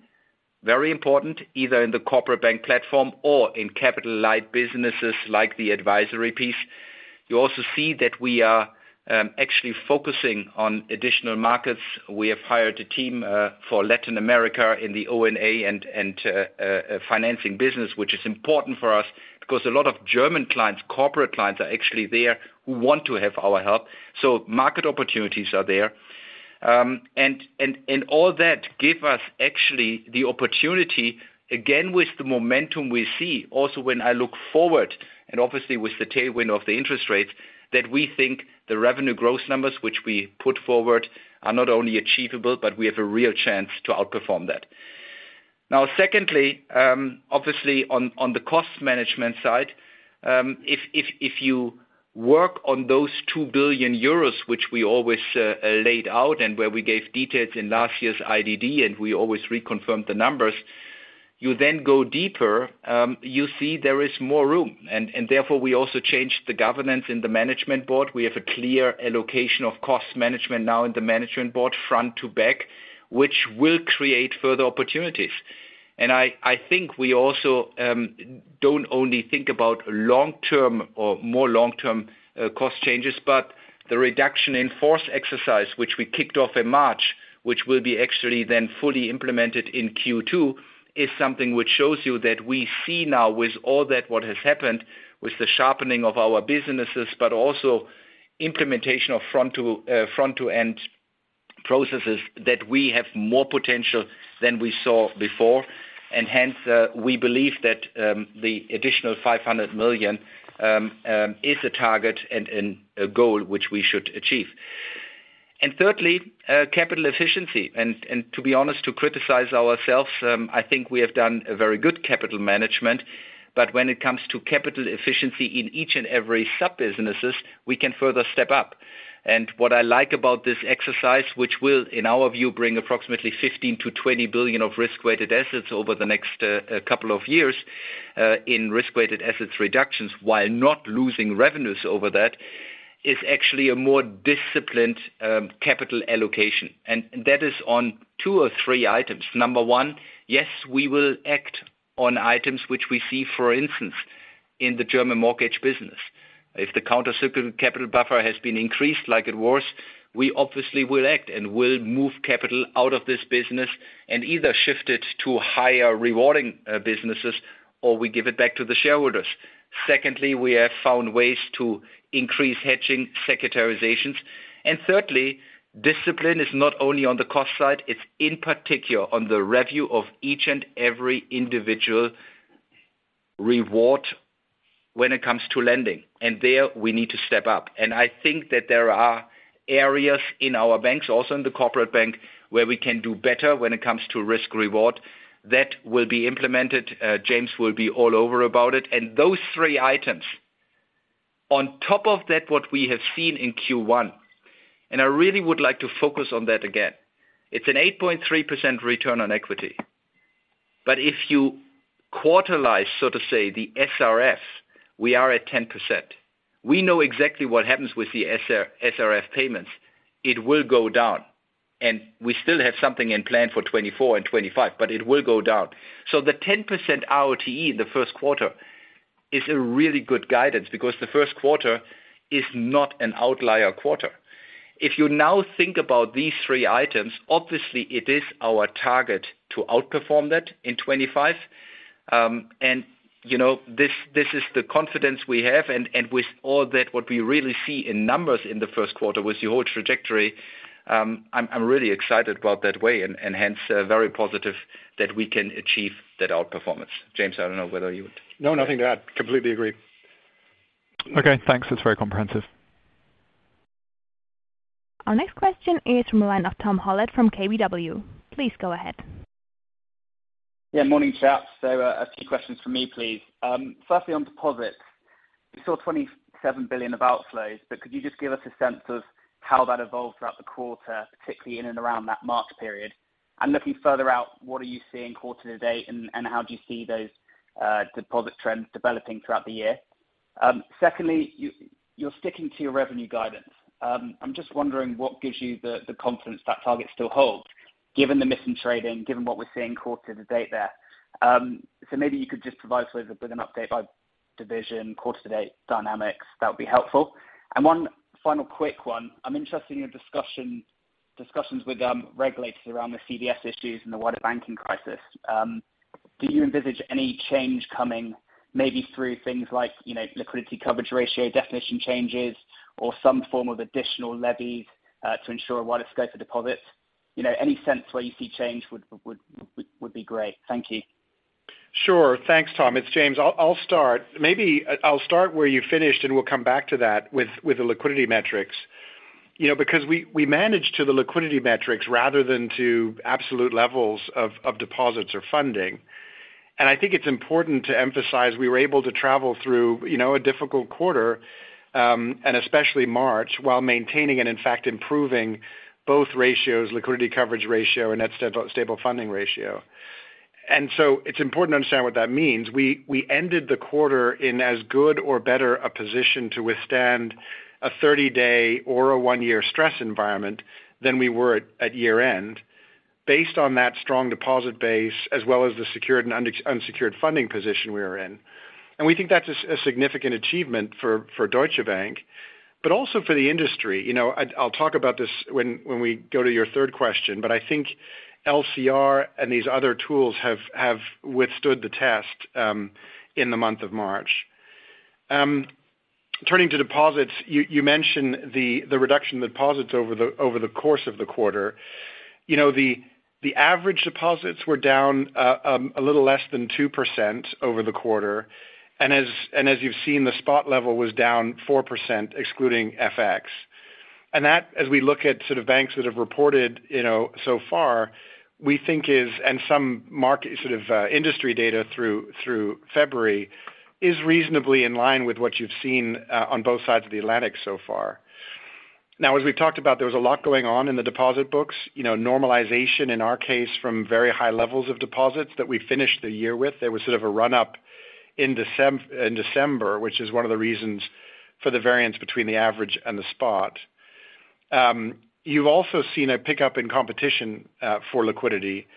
Very important, either in the Corporate Bank platform or in capital-light businesses like the advisory piece. You also see that we are actually focusing on additional markets. We have hired a team for Latin America in the O&A and financing business, which is important for us because a lot of German clients, corporate clients are actually there who want to have our help. Market opportunities are there. All that give us actually the opportunity, again, with the momentum we see, also when I look forward and obviously with the tailwind of the interest rates, that we think the revenue growth numbers which we put forward are not only achievable, but we have a real chance to outperform that. Secondly, obviously on the cost management side, if you work on those 2 billion euros, which we always laid out and where we gave details in last year's IDD and we always reconfirmed the numbers, you then go deeper, you see there is more room. Therefore, we also changed the governance in the management board. We have a clear allocation of cost management now in the management board front to back, which will create further opportunities. I think we also don't only think about long-term or more long-term cost changes, but the reduction in force exercise, which we kicked off in March, which will be actually then fully implemented in Q2, is something which shows you that we see now with all that what has happened with the sharpening of our businesses, but also implementation of front-to-end processes that we have more potential than we saw before. Hence, we believe that the additional 500 million is a target and a goal which we should achieve. Thirdly, capital efficiency. To be honest, to criticize ourselves, I think we have done a very good capital management, but when it comes to capital efficiency in each and every sub-businesses, we can further step up. What I like about this exercise, which will, in our view, bring approximately 15-20 billion of RWA over the next couple of years in RWA reductions while not losing revenues over that, is actually a more disciplined capital allocation. That is on two or three items. Number one, yes, we will act on items which we see, for instance, in the German mortgage business. If the countercyclical capital buffer has been increased like it was, we obviously will act, and we'll move capital out of this business and either shift it to higher rewarding businesses, or we give it back to the shareholders. Secondly, we have found ways to increase hedging securitizations. Thirdly, discipline is not only on the cost side, it's in particular on the review of each and every individual reward when it comes to lending. There we need to step up. I think that there are areas in our banks, also in the Corporate Bank, where we can do better when it comes to risk reward. That will be implemented. James will be all over about it. Those three items on top of that what we have seen in Q1, I really would like to focus on that again. It's an 8.3% return on equity. If you quaternize, so to say, the SRF, we are at 10%. We know exactly what happens with the SRF payments. It will go down. We still have something in plan for 2024 and 2025, but it will go down. The 10% ROTE in the Q1 is a really good guidance because the Q1 is not an outlier quarter. If you now think about these three items, obviously it is our target to outperform that in 2025. You know, this is the confidence we have. With all that what we really see in numbers in the Q1 with the whole trajectory, I'm really excited about that way and hence very positive that we can achieve that outperformance. James, I don't know whether. No, nothing to add. Completely agree. Thanks. That's very comprehensive. Our next question is from a line of Tom Hallett from KBW. Please go ahead. Yeah, morning, chaps. A few questions from me, please. Firstly on deposits. We saw 27 billion of outflows. Could you just give us a sense of how that evolved throughout the quarter, particularly in and around that March period? Looking further out, what are you seeing quarter to date and how do you see those deposit trends developing throughout the year? Secondly, you're sticking to your revenue guidance. I'm just wondering what gives you the confidence that target still holds given the missing trading, given what we're seeing quarter to date there. Maybe you could just provide sort of with an update by division, quarter to date dynamics, that would be helpful. One final quick one. I'm interested in your discussions with regulators around the CS issues and the wider banking crisis. Do you envisage any change coming maybe through things like, you know, liquidity coverage ratio, definition changes, or some form of additional levies to ensure a wider scope of deposits? You know, any sense where you see change would be great. Thank you. Sure. Thanks, Tom. It's James. I'll start. Maybe I'll start where you finished, we'll come back to that with the liquidity metrics, you know, because we managed to the liquidity metrics rather than to absolute levels of deposits or funding. I think it's important to emphasize we were able to travel through, you know, a difficult quarter, especially March, while maintaining and in fact improving both ratios, Liquidity Coverage Ratio and Net Stable Funding Ratio. It's important to understand what that means. We ended the quarter in as good or better a position to withstand a 30-day or a one-year stress environment than we were at year-end based on that strong deposit base as well as the secured and unsecured funding position we were in. We think that's a significant achievement for Deutsche Bank, but also for the industry. You know, I'll talk about this when we go to your third question, but I think LCR and these other tools have withstood the test in the month of March. Turning to deposits, you mentioned the reduction in deposits over the course of the quarter. You know, the average deposits were down a little less than 2% over the quarter. As you've seen, the spot level was down 4% excluding FX. That, as we look at sort of banks that have reported, you know, so far, we think is, and some market sort of industry data through February is reasonably in line with what you've seen on both sides of the Atlantic so far. Now as we've talked about, there was a lot going on in the deposit books, you know, normalization in our case from very high levels of deposits that we finished the year with. There was sort of a run-up in December, which is one of the reasons for the variance between the average and the spot. You've also seen a pickup in competition for liquidity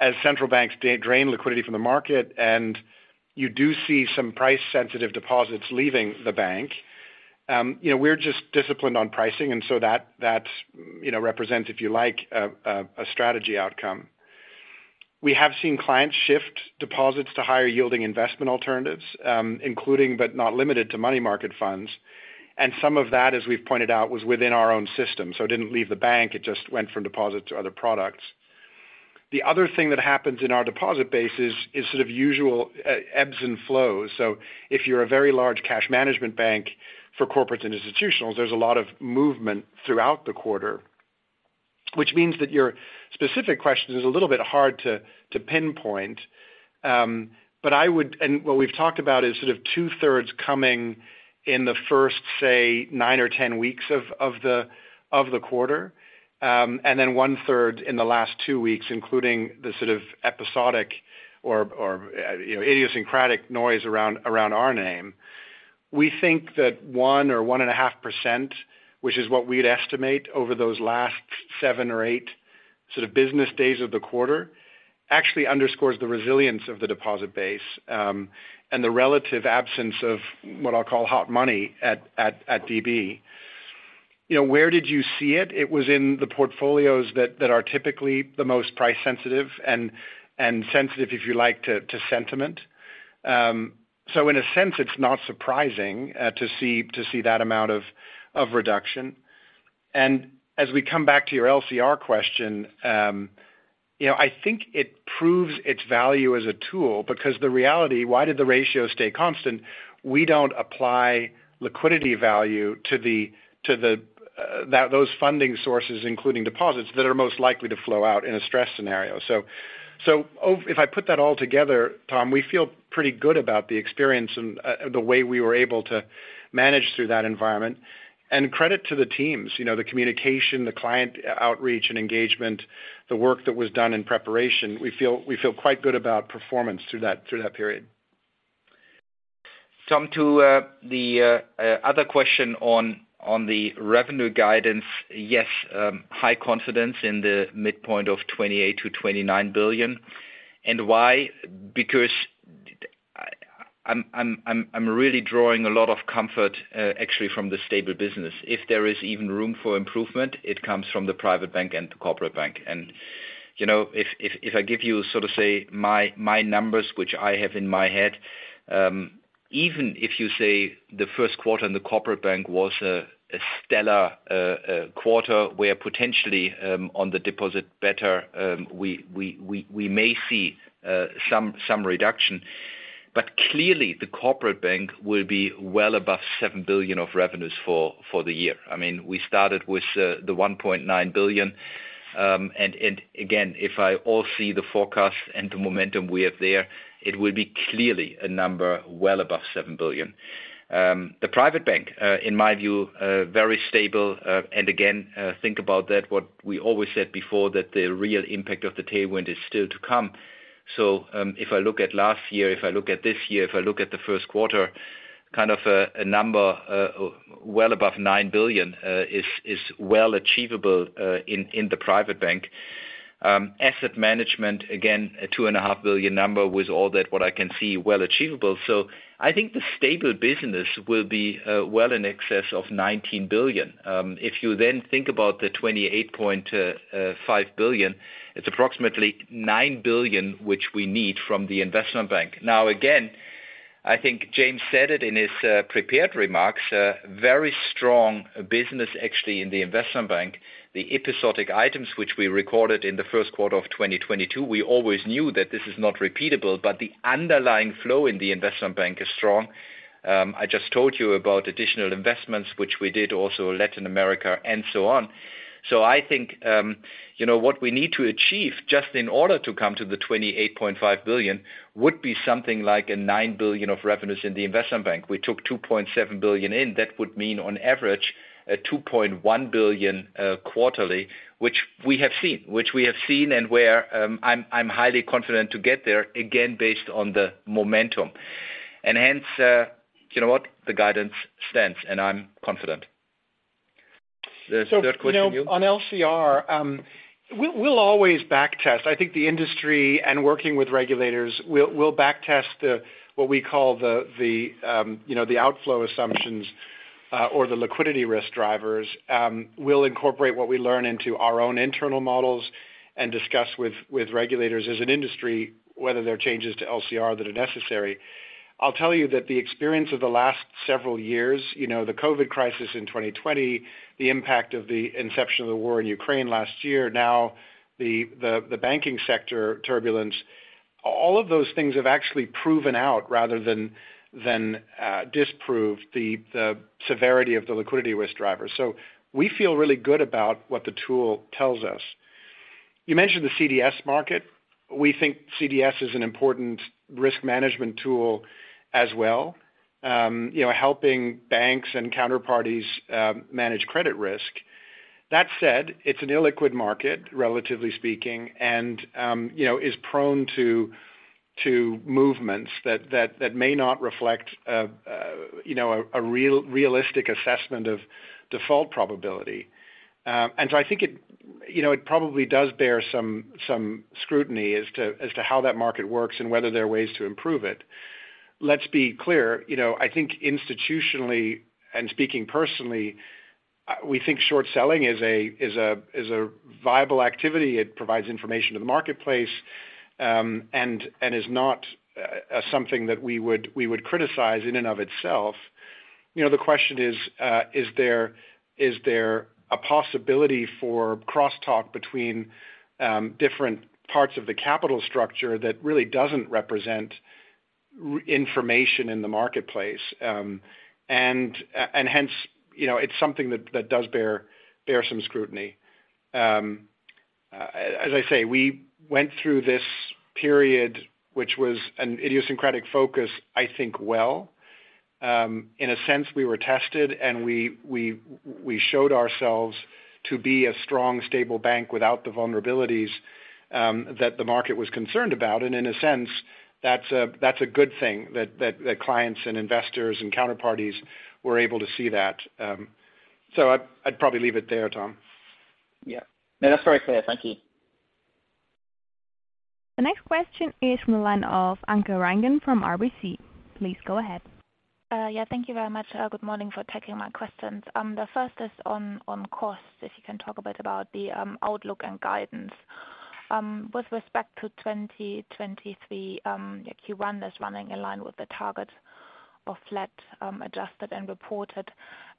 as central banks drain liquidity from the market, and you do see some price sensitive deposits leaving the bank. You know, we're just disciplined on pricing and so that, you know, represents, if you like, a strategy outcome. We have seen clients shift deposits to higher yielding investment alternatives, including, but not limited to money market funds. Some of that, as we've pointed out, was within our own system. It didn't leave the bank, it just went from deposit to other products. The other thing that happens in our deposit base is sort of usual ebbs and flows. If you're a very large cash management bank for corporates and institutionals, there's a lot of movement throughout the quarter, which means that your specific question is a little bit hard to pinpoint. What we've talked about is sort of two-thirds coming in the first, say, nine or 10 weeks of the quarter and one third in the last two weeks, including the sort of episodic or, you know, idiosyncratic noise around our name. We think that one or 1.5% which is what we'd estimate over those last seven or eight sort of business days of the quarter, actually underscores the resilience of the deposit base and the relative absence of what I'll call hot money at DB. You know, where did you see it? It was in the portfolios that are typically the most price sensitive and sensitive, if you like, to sentiment. In a sense, it's not surprising to see that amount of reduction. As we come back to your LCR question, you know, I think it proves its value as a tool because the reality, why did the ratio stay constant? We don't apply liquidity value to the that those funding sources, including deposits that are most likely to flow out in a stress scenario. If I put that all together, Tom, we feel pretty good about the experience and the way we were able to manage through that environment. Credit to the teams, you know, the communication, the client outreach and engagement, the work that was done in preparation. We feel quite good about performance through that period. Tom, to the other question on the revenue guidance. Yes, high confidence in the midpoint of 28 billion-29 billion. Why? Because I'm really drawing a lot of comfort, actually from the stable business. If there is even room for improvement, it comes from the Private Bank and the Corporate Bank. You know, if I give you sort of say my numbers, which I have in my head, even if you say the Q1 in the Corporate Bank was a stellar quarter where potentially on the deposit beta, we may see some reduction. But clearly the Corporate Bank will be well above 7 billion of revenues for the year. I mean, we started with the 1.9 billion. And again, if I all see the forecast and the momentum we have there, it will be clearly a number well above 7 billion. The Private Bank, in my view, very stable. And again, think about that, what we always said before, that the real impact of the tailwind is still to come. If I look at last year, if I look at this year, if I look at the Q1, kind of a number well above 9 billion is well achievable in the Private Bank. Asset Management, again, a 2 and a half billion number with all that what I can see well achievable. I think the stable business will be well in excess of 19 billion. If you then think about the 28.5 billion, it's approximately 9 billion, which we need from the Investment Bank. Again, I think James said it in his prepared remarks, very strong business actually in the Investment Bank. The episodic items which we recorded in the Q1 of 2022, we always knew that this is not repeatable, but the underlying flow in the Investment Bank is strong. I just told you about additional investments, which we did also Latin America and so on. I think, you know, what we need to achieve just in order to come to the 28.5 billion would be something like a 9 billion of revenues in the Investment Bank. We took 2.7 billion in. That would mean on average a 2.1 billion quarterly, which we have seen and where I'm highly confident to get there again based on the momentum. Hence, you know what, the guidance stands, and I'm confident. Third question, you. you know, on LCR, we'll always back test. I think the industry and working with regulators, we'll back test what we call the, you know, the outflow assumptions or the liquidity risk drivers. We'll incorporate what we learn into our own internal models and discuss with regulators as an industry whether there are changes to LCR that are necessary. I'll tell you that the experience of the last several years, you know, the COVID crisis in 2020, the impact of the inception of the war in Ukraine last year. The banking sector turbulence, all of those things have actually proven out rather than disprove the severity of the liquidity risk drivers. We feel really good about what the tool tells us. You mentioned the CDS market. We think CDS is an important risk management tool as well, you know, helping banks and counterparties manage credit risk. That said, it's an illiquid market, relatively speaking, and, you know, is prone to movements that may not reflect, you know, a realistic assessment of default probability. I think it, you know, it probably does bear some scrutiny as to how that market works and whether there are ways to improve it. Let's be clear. You know, I think institutionally and speaking personally, we think short selling is a viable activity. It provides information to the marketplace, and is not something that we would criticize in and of itself. You know, the question is there a possibility for crosstalk between different parts of the capital structure that really doesn't represent information in the marketplace? Hence, you know, it's something that does bear some scrutiny. As I say, we went through this period, which was an idiosyncratic focus, I think well. In a sense, we were tested, and we showed ourselves to be a strong, stable bank without the vulnerabilities that the market was concerned about. In a sense, that's a good thing that clients and investors and counterparties were able to see that. I'd probably leave it there, Tom. Yeah. No, that's very clear. Thank you. The next question is from the line of Anke Reingen from RBC. Please go ahead. Yeah. Thank you very much. Good morning for taking my questions. The first is on costs, if you can talk a bit about the outlook and guidance. With respect to 2023, Q1 that's running in line with the target of flat, adjusted and reported.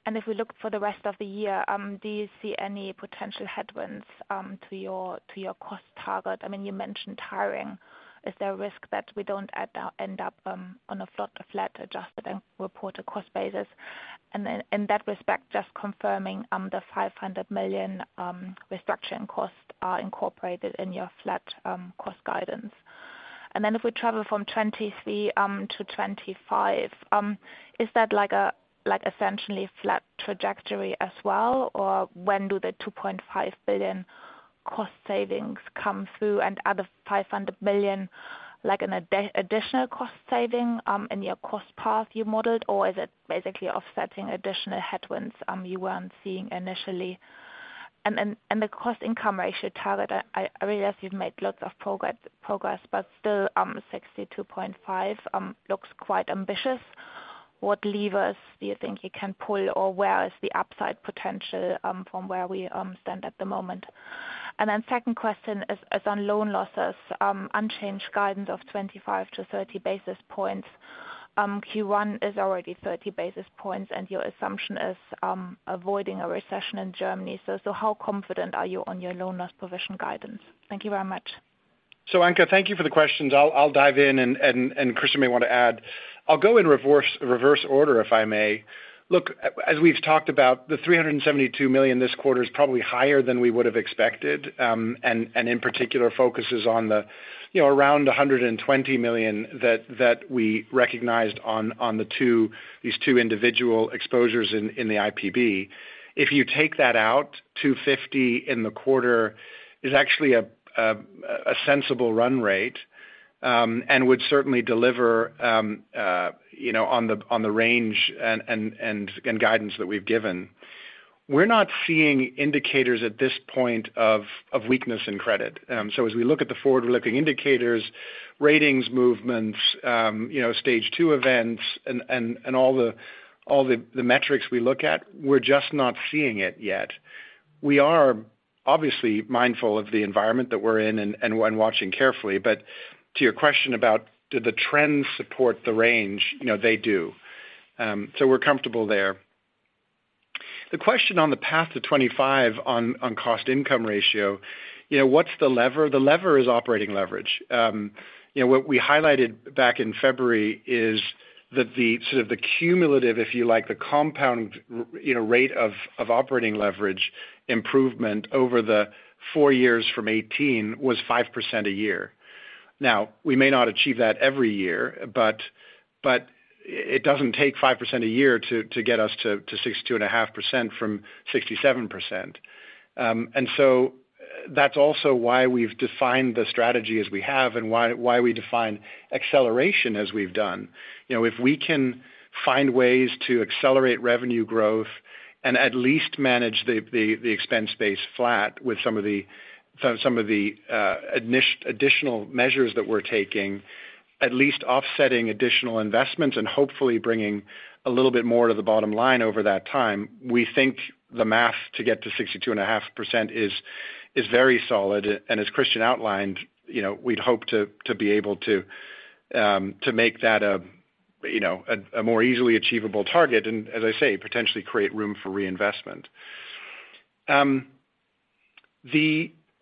If we look for the rest of the year, do you see any potential headwinds to your cost target? I mean, you mentioned hiring. Is there a risk that we don't end up on a flat adjusted and reported cost basis? In that respect, just confirming, the 500 million restructuring costs are incorporated in your flat cost guidance. If we travel from 2023 to 2025, is that like essentially flat trajectory as well? When do the 2.5 billion cost savings come through and are the 500 million like an additional cost saving in your cost path you modeled, or is it basically offsetting additional headwinds you weren't seeing initially? The cost/income ratio target, I realize you've made lots of progress, but still, 62.5% looks quite ambitious. What levers do you think you can pull, or where is the upside potential from where we stand at the moment? Second question is on loan losses, unchanged guidance of 25-30 basis points. Q1 is already 30 basis points, and your assumption is avoiding a recession in Germany. How confident are you on your loan loss provision guidance? Thank you very much. Anke, thank you for the questions. I'll dive in and Christian may want to add. I'll go in reverse order, if I may. Look, as we've talked about, the 372 million this quarter is probably higher than we would have expected, and in particular focuses on the, you know, around 120 million that we recognized on these two individual exposures in the IPB. If you take that out, 250 in the quarter is actually a sensible run rate. Would certainly deliver, you know, on the range and guidance that we've given. We're not seeing indicators at this point of weakness in credit. As we look at the forward-looking indicators, ratings movements, you know, stage two events and all the metrics we look at, we're just not seeing it yet. We are obviously mindful of the environment that we're in and watching carefully. To your question about do the trends support the range, you know they do. We're comfortable there. The question on the path to 25 on cost/income ratio, you know, what's the lever? The lever is operating leverage. You know, what we highlighted back in February is that the sort of the cumulative, if you like, the compound you know, rate of operating leverage improvement over the four years from 2018 was 5% a year. We may not achieve that every year, but it doesn't take 5% a year to get us to 62.5% from 67%. That's also why we've defined the strategy as we have and why we define acceleration as we've done. You know, if we can find ways to accelerate revenue growth and at least manage the expense base flat with some of the additional measures that we're taking, at least offsetting additional investments and hopefully bringing a little bit more to the bottom line over that time, we think the math to get to 62.5% is very solid. As Christian outlined, you know, we'd hope to be able to make that a, you know, a more easily achievable target and as I say, potentially create room for reinvestment.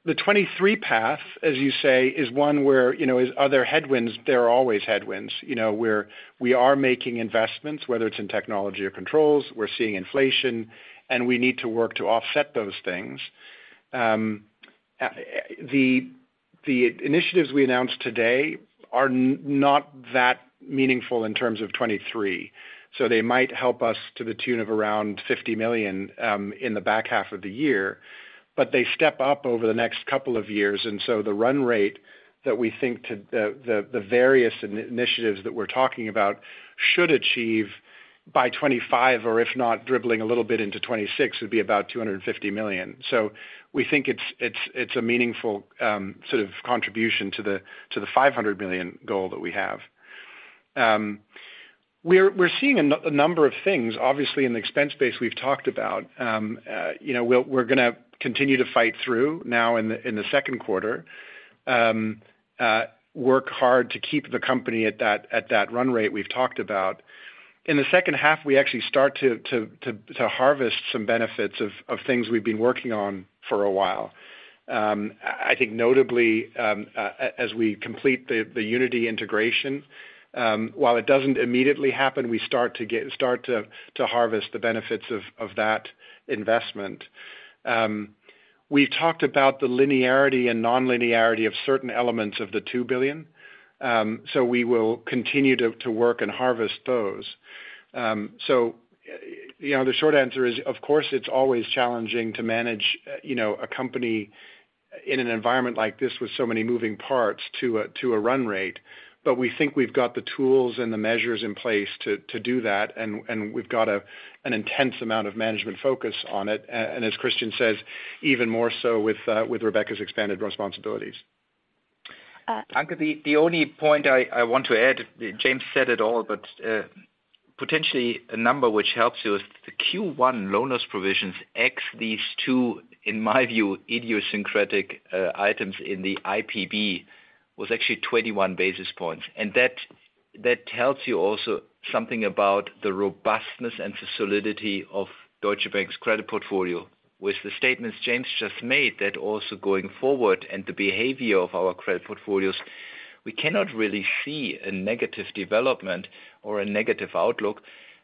The 23 path, as you say, is one where, you know, are there headwinds? There are always headwinds, you know, where we are making investments, whether it's in technology or controls, we're seeing inflation, and we need to work to offset those things. The initiatives we announced today are not that meaningful in terms of 2023, so they might help us to the tune of around 50 million in the back half of the year. They step up over the next couple of years, and so the run rate that we think to the various initiatives that we're talking about should achieve by 2025 or if not dribbling a little bit into 2026, would be about 250 million. We think it's a meaningful sort of contribution to the 500 billion goal that we have. We're seeing a number of things obviously in the expense base we've talked about. You know, we're gonna continue to fight through now in the 2Q. Work hard to keep the company at that run rate we've talked about. In the second half we actually start to harvest some benefits of things we've been working on for a while. I think notably, as we complete the Unity integration, while it doesn't immediately happen, we start to get start to harvest the benefits of that investment. We talked about the linearity and non-linearity of certain elements of the 2 billion. We will continue to work and harvest those. You know, the short answer is, of course, it's always challenging to manage, you know, a company in an environment like this with so many moving parts to a run rate. We think we've got the tools and the measures in place to do that. We've got an intense amount of management focus on it. As Christian says, even more so with Rebecca's expanded responsibilities. Anke, the only point I want to add, James said it all, but potentially a number which helps you is the Q1 loan loss provisions X these two, in my view, idiosyncratic items in the IPB was actually 21 basis points. That tells you also something about the robustness and the solidity of Deutsche Bank's credit portfolio. With the statements James just made, that also going forward and the behavior of our credit portfolios, we cannot really see a negative development or a negative outlook.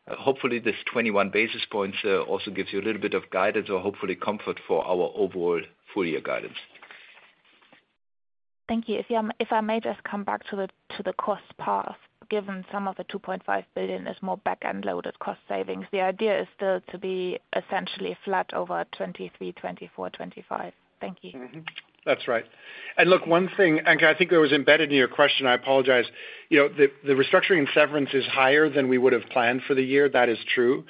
Hopefully, this 21 basis points also gives you a little bit of guidance or hopefully comfort for our overall full-year guidance. Thank you. If, if I may just come back to the cost path, given some of the 2.5 billion is more back-end loaded cost savings, the idea is still to be essentially flat over 2023, 2024, 2025. Thank you. Mm-hmm. That's right. Look, one thing, Anke, I think that was embedded in your question, I apologize. You know, the restructuring and severance is higher than we would have planned for the year. That is true.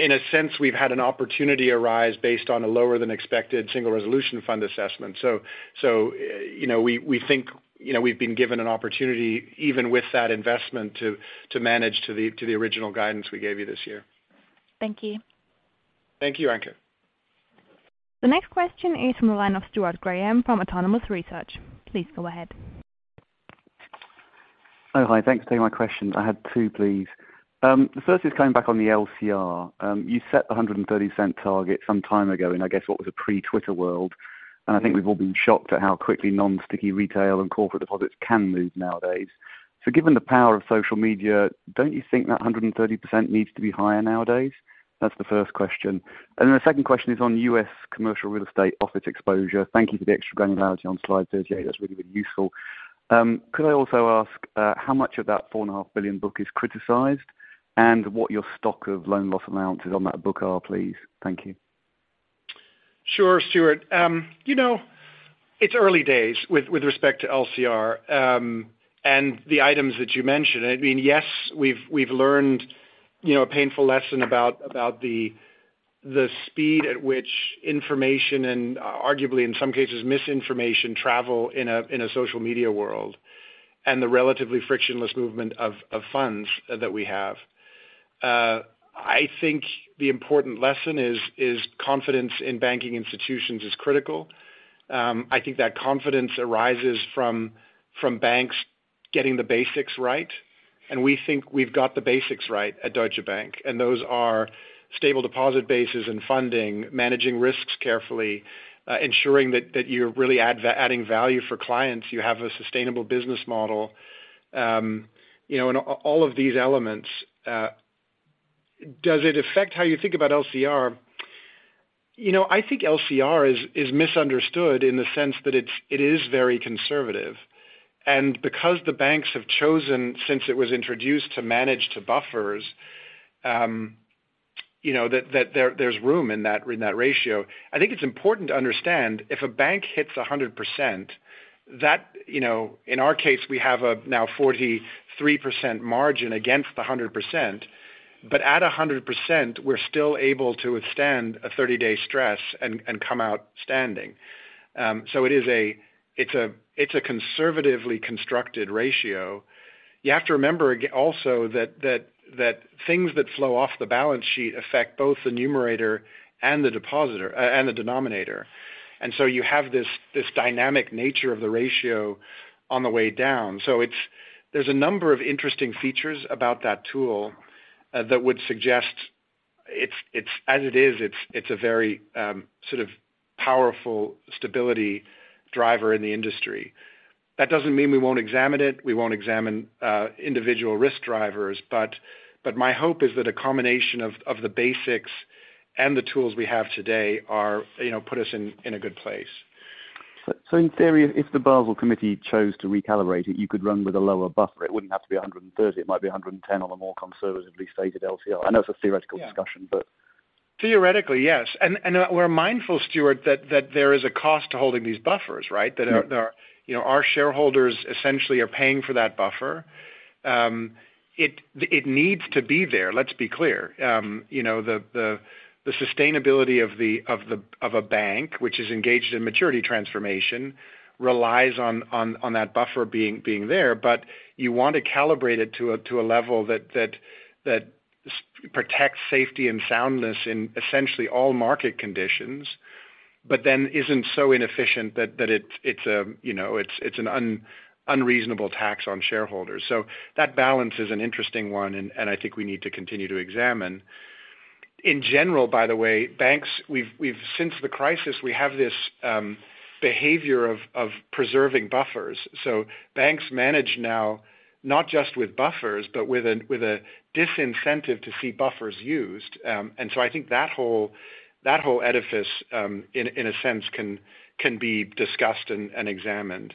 In a sense, we've had an opportunity arise based on a lower than expected Single Resolution Fund assessment. You know, we think, you know, we've been given an opportunity even with that investment to manage to the original guidance we gave you this year. Thank you. Thank you, Anke. The next question is from the line of Stuart Graham from Autonomous Research. Please go ahead. Hi. Thanks for taking my questions. I had two, please. The first is coming back on the LCR. You set the 130% target some time ago in, I guess, what was a pre-Twitter world. I think we've all been shocked at how quickly non-sticky retail and corporate deposits can move nowadays. Given the power of social media, don't you think that 130% needs to be higher nowadays? That's the first question. The second question is on US commercial real estate office exposure. Thank you for the extra granularity on slide 38. That's really been useful. Could I also ask how much of that 4.5 billion book is criticized and what your stock of loan loss amounts is on that book are, please? Thank you. Sure, Stuart. you know, it's early days with respect to LCR, and the items that you mentioned. I mean, yes, we've learned, you know, a painful lesson about the speed at which information and arguably in some cases, misinformation travel in a, in a social media world and the relatively frictionless movement of funds that we have. I think the important lesson is confidence in banking institutions is critical. I think that confidence arises from banks getting the basics right, and we think we've got the basics right at Deutsche Bank, and those are stable deposit bases and funding, managing risks carefully, ensuring that you're really adding value for clients. You have a sustainable business model, you know, and all of these elements. Does it affect how you think about LCR? You know, I think LCR is misunderstood in the sense that it is very conservative. Because the banks have chosen since it was introduced to manage to buffers, you know, that there's room in that ratio. I think it's important to understand if a bank hits a 100%, that, you know, in our case, we have a now 43% margin against the 100%. At a 100%, we're still able to withstand a thirty-day stress and come out standing. It's a conservatively constructed ratio. You have to remember also that things that flow off the balance sheet affect both the numerator and the depositor and the denominator. You have this dynamic nature of the ratio on the way down. There's a number of interesting features about that tool, that would suggest it's, as it is, it's a very, sort of powerful stability driver in the industry. That doesn't mean we won't examine it. We won't examine, individual risk drivers, but my hope is that a combination of the basics and the tools we have today are, you know, put us in a good place. In theory, if the Basel Committee chose to recalibrate it, you could run with a lower buffer. It wouldn't have to be 130. It might be 110 on a more conservatively stated LCR. I know it's a theoretical discussion, but. Yeah. Theoretically, yes. We're mindful, Stuart, that there is a cost to holding these buffers, right? Mm. There are, you know, our shareholders essentially are paying for that buffer. It, it needs to be there, let's be clear. You know, the sustainability of a bank which is engaged in maturity transformation relies on that buffer being there, but you want to calibrate it to a level that protects safety and soundness in essentially all market conditions, but then isn't so inefficient that it's a, you know, it's an unreasonable tax on shareholders. That balance is an interesting one, I think we need to continue to examine. In general, by the way, banks, we've since the crisis, we have this behavior of preserving buffers. Banks manage now not just with buffers, but with a disincentive to see buffers used. I think that whole edifice, in a sense can be discussed and examined.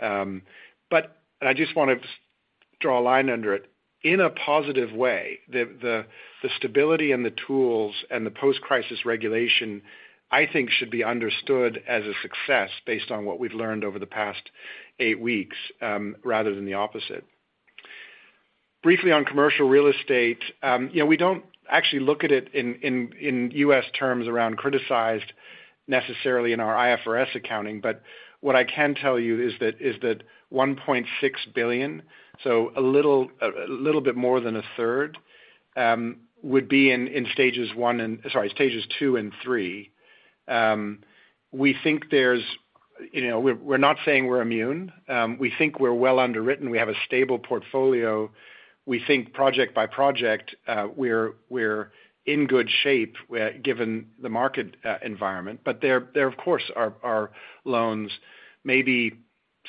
I just want to draw a line under it. In a positive way, the stability and the tools and the post-crisis regulation I think should be understood as a success based on what we've learned over the past eight weeks, rather than the opposite. Briefly on commercial real estate, you know, we don't actually look at it in US terms around criticized necessarily in our IFRS accounting. What I can tell you is that 1.6 billion, so a little bit more than a third, would be in stages one and sorry, stages two and three. We think there's, you know, we're not saying we're immune. We think we're well underwritten. We have a stable portfolio. We think project by project, we're in good shape given the market environment. There of course are loans maybe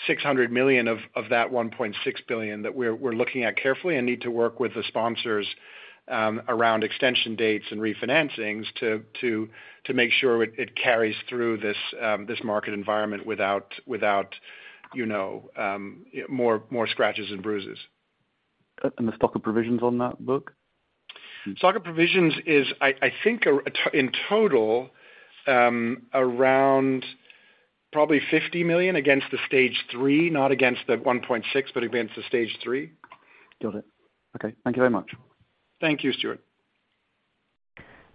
600 million of that 1.6 billion that we're looking at carefully and need to work with the sponsors around extension dates and refinancings to make sure it carries through this market environment without more scratches and bruises. The stock of provisions on that book? Stock of provisions is I think in total, around probably 50 million against the stage three, not against the 1.6, but against the stage three. Got it. Okay. Thank you very much. Thank you, Stuart.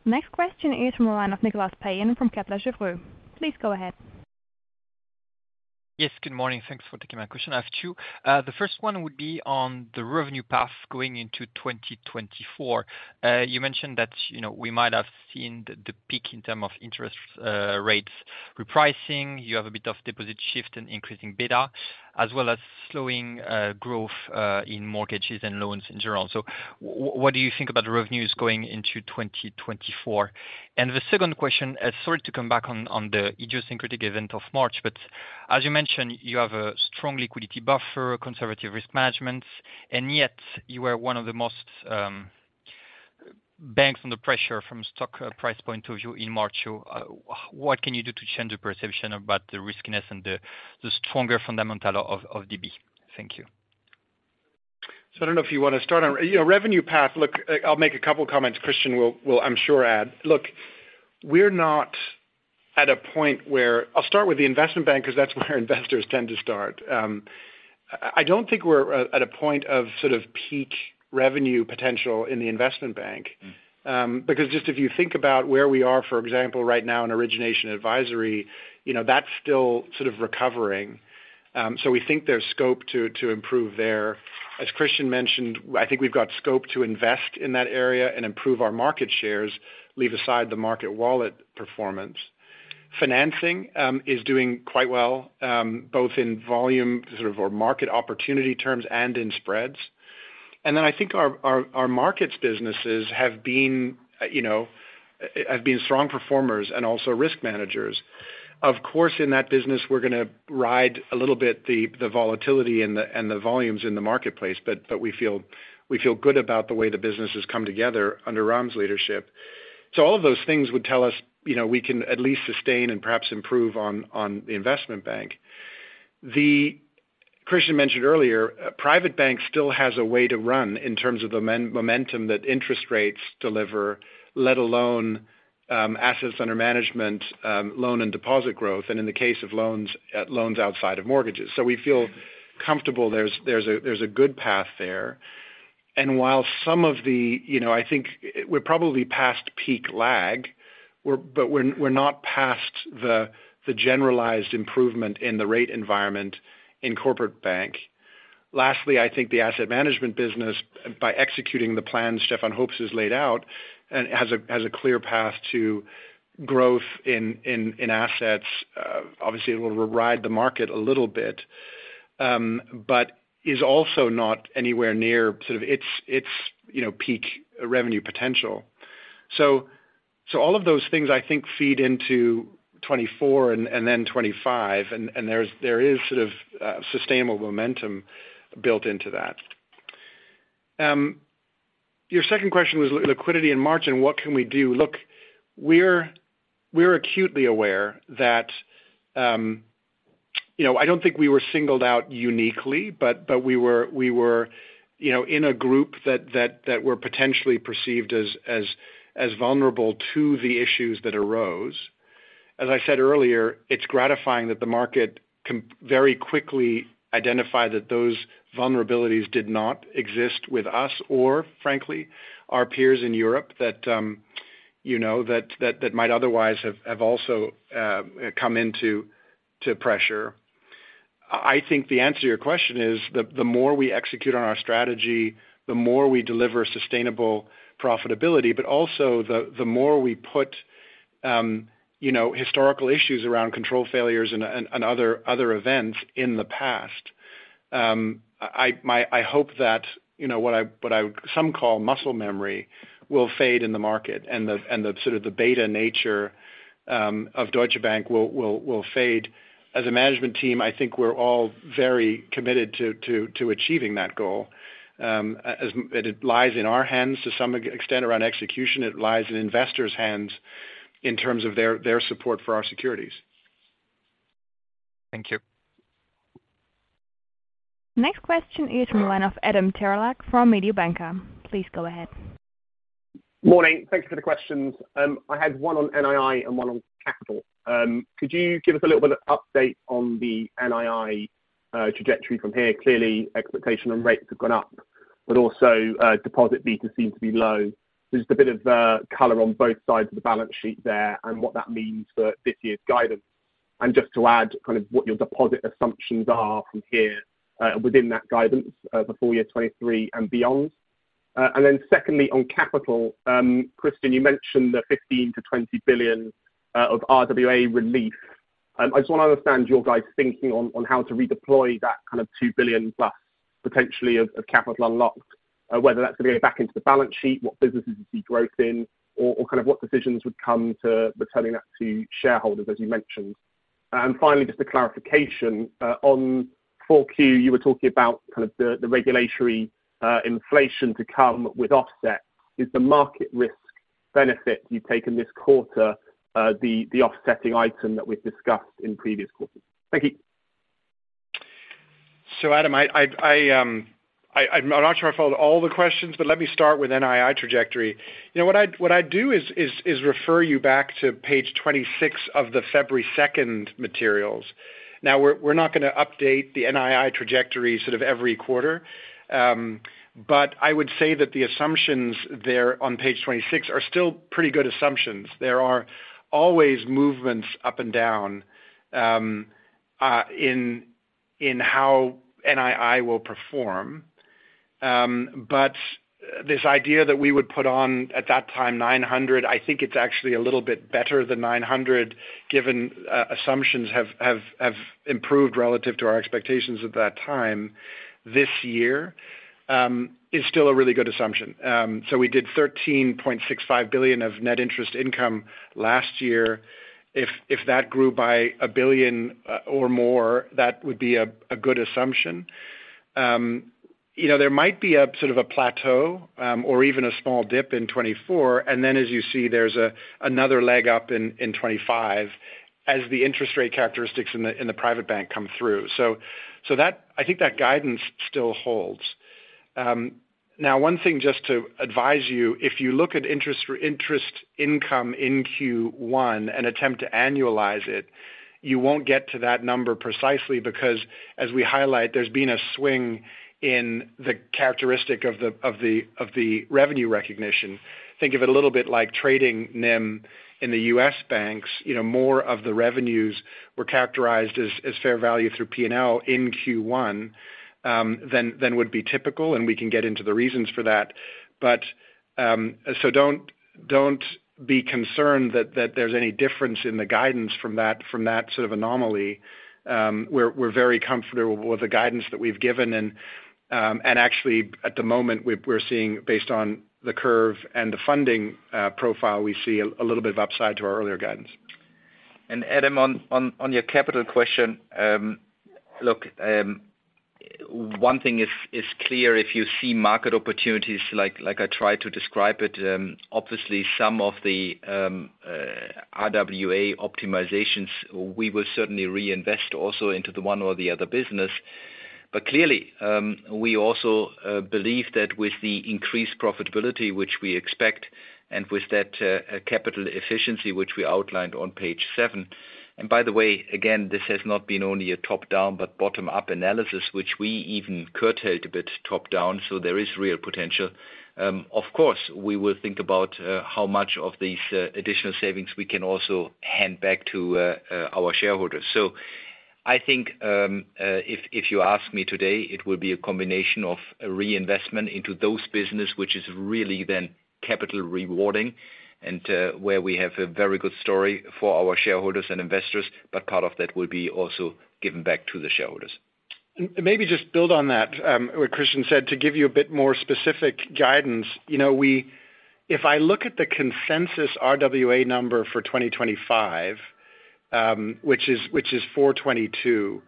Next question is from the line of Nicolas Payen from Kepler Cheuvreux. Please go ahead. Yes, good morning. Thanks for taking my question. I have two. The first one would be on the revenue path going into 2024. You mentioned that, you know, we might have seen the peak in term of interest rates repricing. You have a bit of deposit shift and increasing beta, as well as slowing growth in mortgages and loans in general. What do you think about revenues going into 2024? The second question, sorry to come back on the idiosyncratic event of March, but as you mentioned, you have a strong liquidity buffer, conservative risk management, and yet you are one of the most banks under pressure from stock price point of view in March. What can you do to change the perception about the riskiness and the stronger fundamental of DB? Thank you. I don't know if you want to start on... You know, revenue path. Look, I'll make a couple of comments. Christian will I'm sure add. Look, we're not at a point where. I'll start with the Investment Bank because that's where investors tend to start. I don't think we're at a point of sort of peak revenue potential in the Investment Bank. Because just if you think about where we are, for example, right now in Origination & Advisory, you know, that's still sort of recovering. We think there's scope to improve there. As Christian mentioned, I think we've got scope to invest in that area and improve our market shares, leave aside the market wallet performance. Financing is doing quite well, both in volume sort of or market opportunity terms and in spreads. I think our markets businesses have been, you know, strong performers and also risk managers. Of course, in that business, we're gonna ride a little bit the volatility and the volumes in the marketplace, but we feel good about the way the business has come together under Ram's leadership. All of those things would tell us, you know, we can at least sustain and perhaps improve on the Investment Bank. Christian mentioned earlier, Private Bank still has a way to run in terms of momentum that interest rates deliver, let alone assets under management, loan and deposit growth, and in the case of loans outside of mortgages. We feel comfortable there's a good path there. While some of the, you know, I think we're probably past peak lag, we're not past the generalized improvement in the rate environment in Corporate Bank. Lastly, I think the asset management business, by executing the plan Stefan Hoops has laid out and has a clear path to growth in assets. Obviously it will ride the market a little bit, but is also not anywhere near sort of its, you know, peak revenue potential. All of those things I think feed into 2024 and then 2025, and there's sustainable momentum built into that. Your second question was liquidity and margin, what can we do? Look, we're acutely aware that, you know, I don't think we were singled out uniquely, but we were, you know, in a group that were potentially perceived as vulnerable to the issues that arose. As I said earlier, it's gratifying that the market can very quickly identify that those vulnerabilities did not exist with us or frankly, our peers in Europe that, you know, that might otherwise have also come into pressure. I think the answer to your question is the more we execute on our strategy, the more we deliver sustainable profitability, but also the more we put, you know, historical issues around control failures and other events in the past. I hope that, you know, what I some call muscle memory will fade in the market and the, and the sort of the beta nature of Deutsche Bank will fade. As a management team, I think we're all very committed to achieving that goal. As it lies in our hands to some extent around execution. It lies in investors' hands in terms of their support for our securities. Thank you. Next question is one off Adam Terelak from Mediobanca. Please go ahead. Morning. Thank you for the questions. I had one on NII and one on capital. Could you give us a little of update on the NII trajectory from here? Clearly, expectation on rates have gone up, but also, deposit beta seem to be low. Just a bit of color on both sides of the balance sheet there and what that means for this year's guidance. Just to add kind of what your deposit assumptions are from here, within that guidance, before year 2023 and beyond. Secondly, on capital, Christian, you mentioned the 15 billion-20 billion of RWA relief. I just want to understand your guys' thinking on how to redeploy that kind of 2 billion plus potentially of capital unlocked, whether that's going back into the balance sheet, what businesses you see growth in, or kind of what decisions would come to returning that to shareholders as you mentioned. Finally, just a clarification, on 4Q, you were talking about kind of the regulatory inflation to come with offset. Is the market risk benefit you've taken this quarter, the offsetting item that we've discussed in previous quarters? Thank you. Adam, I'm not sure I followed all the questions, but let me start with NII trajectory. You know, what I'd, what I do is refer you back to page 26 of the February 2nd materials. We're not gonna update the NII trajectory sort of every quarter. But I would say that the assumptions there on page 26 are still pretty good assumptions. There are always movements up and down in how NII will perform. But this idea that we would put on at that time 900, I think it's actually a little bit better than 900 given assumptions have improved relative to our expectations at that time this year, is still a really good assumption. We did 13.65 billion of NII last year. If that grew by 1 billion or more, that would be a good assumption. You know, there might be a sort of a plateau or even a small dip in 2024. As you see, there's another leg up in 2025 as the interest rate characteristics in the private bank come through. That I think that guidance still holds. Now one thing just to advise you, if you look at interest for interest income in Q1 and attempt to annualize it, you won't get to that number precisely because as we highlight there's been a swing in the characteristic of the revenue recognition. Think of it a little bit like trading NIM in the US banks. You know, more of the revenues were characterized as fair value through P&L in Q1 than would be typical, and we can get into the reasons for that. Don't be concerned that there's any difference in the guidance from that sort of anomaly. We're very comfortable with the guidance that we've given and actually at the moment we're seeing based on the curve and the funding profile, we see a little bit of upside to our earlier guidance. Adam, on your capital question, one thing is clear if you see market opportunities like I tried to describe it, obviously some of the RWA optimizations we will certainly reinvest also into the one or the other business. Clearly, we also believe that with the increased profitability which we expect and with that capital efficiency which we outlined on page seven. By the way, again, this has not been only a top-down but bottom-up analysis, which we even curtailed a bit top-down, so there is real potential. Of course, we will think about how much of these additional savings we can also hand back to our shareholders. I think, if you ask me today, it will be a combination of reinvestment into those businesses which is really then capital rewarding and where we have a very good story for our shareholders and investors, but part of that will be also given back to the shareholders. Maybe just build on that, what Christian said, to give you a bit more specific guidance. You know, if I look at the consensus RWA number for 2025, which is 422,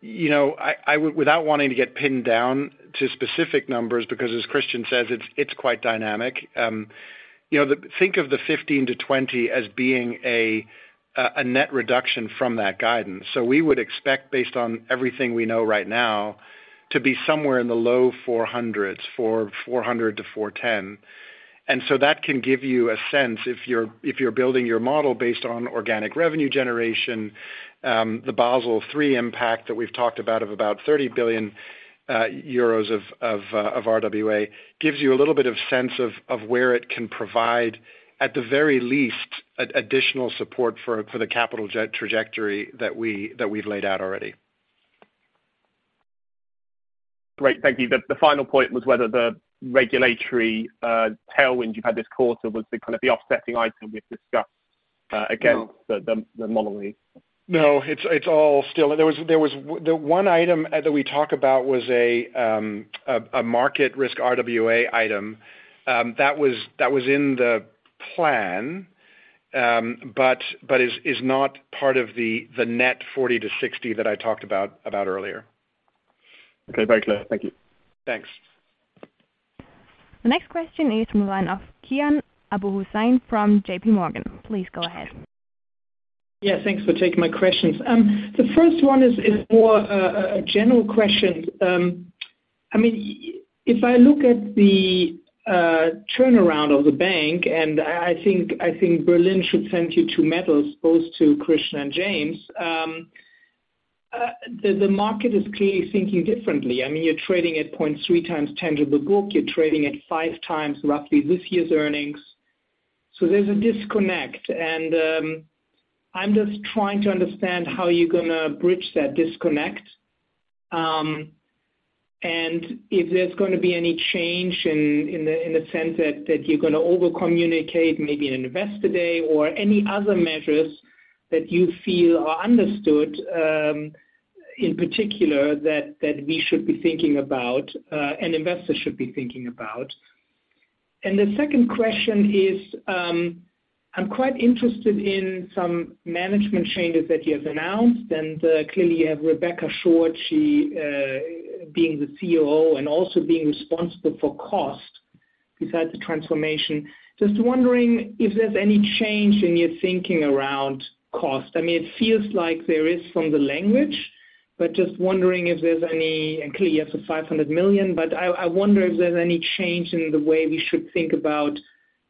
you know, I would without wanting to get pinned down to specific numbers because as Christian says it's quite dynamic, you know, think of the 15-20 as being a net reduction from that guidance. We would expect based on everything we know right now to be somewhere in the low 400s, 400-410.That can give you a sense if you're, if you're building your model based on organic revenue generation, the Basel III impact that we've talked about of about 30 billions euros of RWA gives you a little bit of sense of where it can provide at the very least additional support for the capital trajectory that we've laid out already. Great. Thank you. The final point was whether the regulatory tailwind you've had this quarter was the kind of the offsetting item we've discussed again. No. the modeling. No. It's all still. There was. The one item that we talk about was a market risk RWA item that was in the plan, but is not part of the net 40-60 that I talked about earlier. Okay. Very clear. Thank you. Thanks. The next question is from the line of Kian Abouhossein from JPMorgan. Please go ahead. Yeah. Thanks for taking my questions. The first one is more a general question. I mean, if I look at the turnaround of the bank, I think Berlin should send you two medals, both to Christian and James. The market is clearly thinking differently. I mean, you're trading at 0.3x tangible book, you're trading at 5x roughly this year's earnings. There's a disconnect. I'm just trying to understand how you're gonna bridge that disconnect and if there's gonna be any change in the sense that you're gonna overcommunicate maybe an investor day or any other measures that you feel are understood, in particular that we should be thinking about and investors should be thinking about. The second question is, I'm quite interested in some management changes that you have announced, clearly you have Rebecca Short she, being the COO and also being responsible for cost besides the transformation. Just wondering if there's any change in your thinking around cost. I mean, it feels like there is from the language, but just wondering if there's any. Clearly you have the 500 million, but I wonder if there's any change in the way we should think about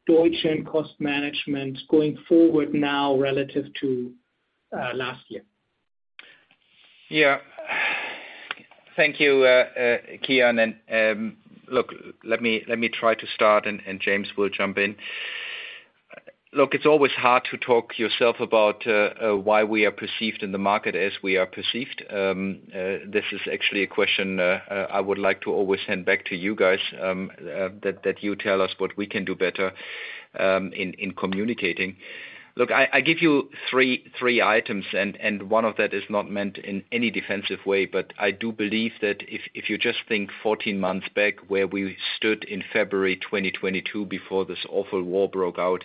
Deutsche and cost management going forward now relative to last year. Yeah. Thank you, Kian, let me try to start and James will jump in. Look, it's always hard to talk yourself about why we are perceived in the market as we are perceived. This is actually a question I would like to always send back to you guys that you tell us what we can do better in communicating. Look, I give you three items and one of that is not meant in any defensive way, I do believe that if you just think 14 months back where we stood in February 2022 before this awful war broke out,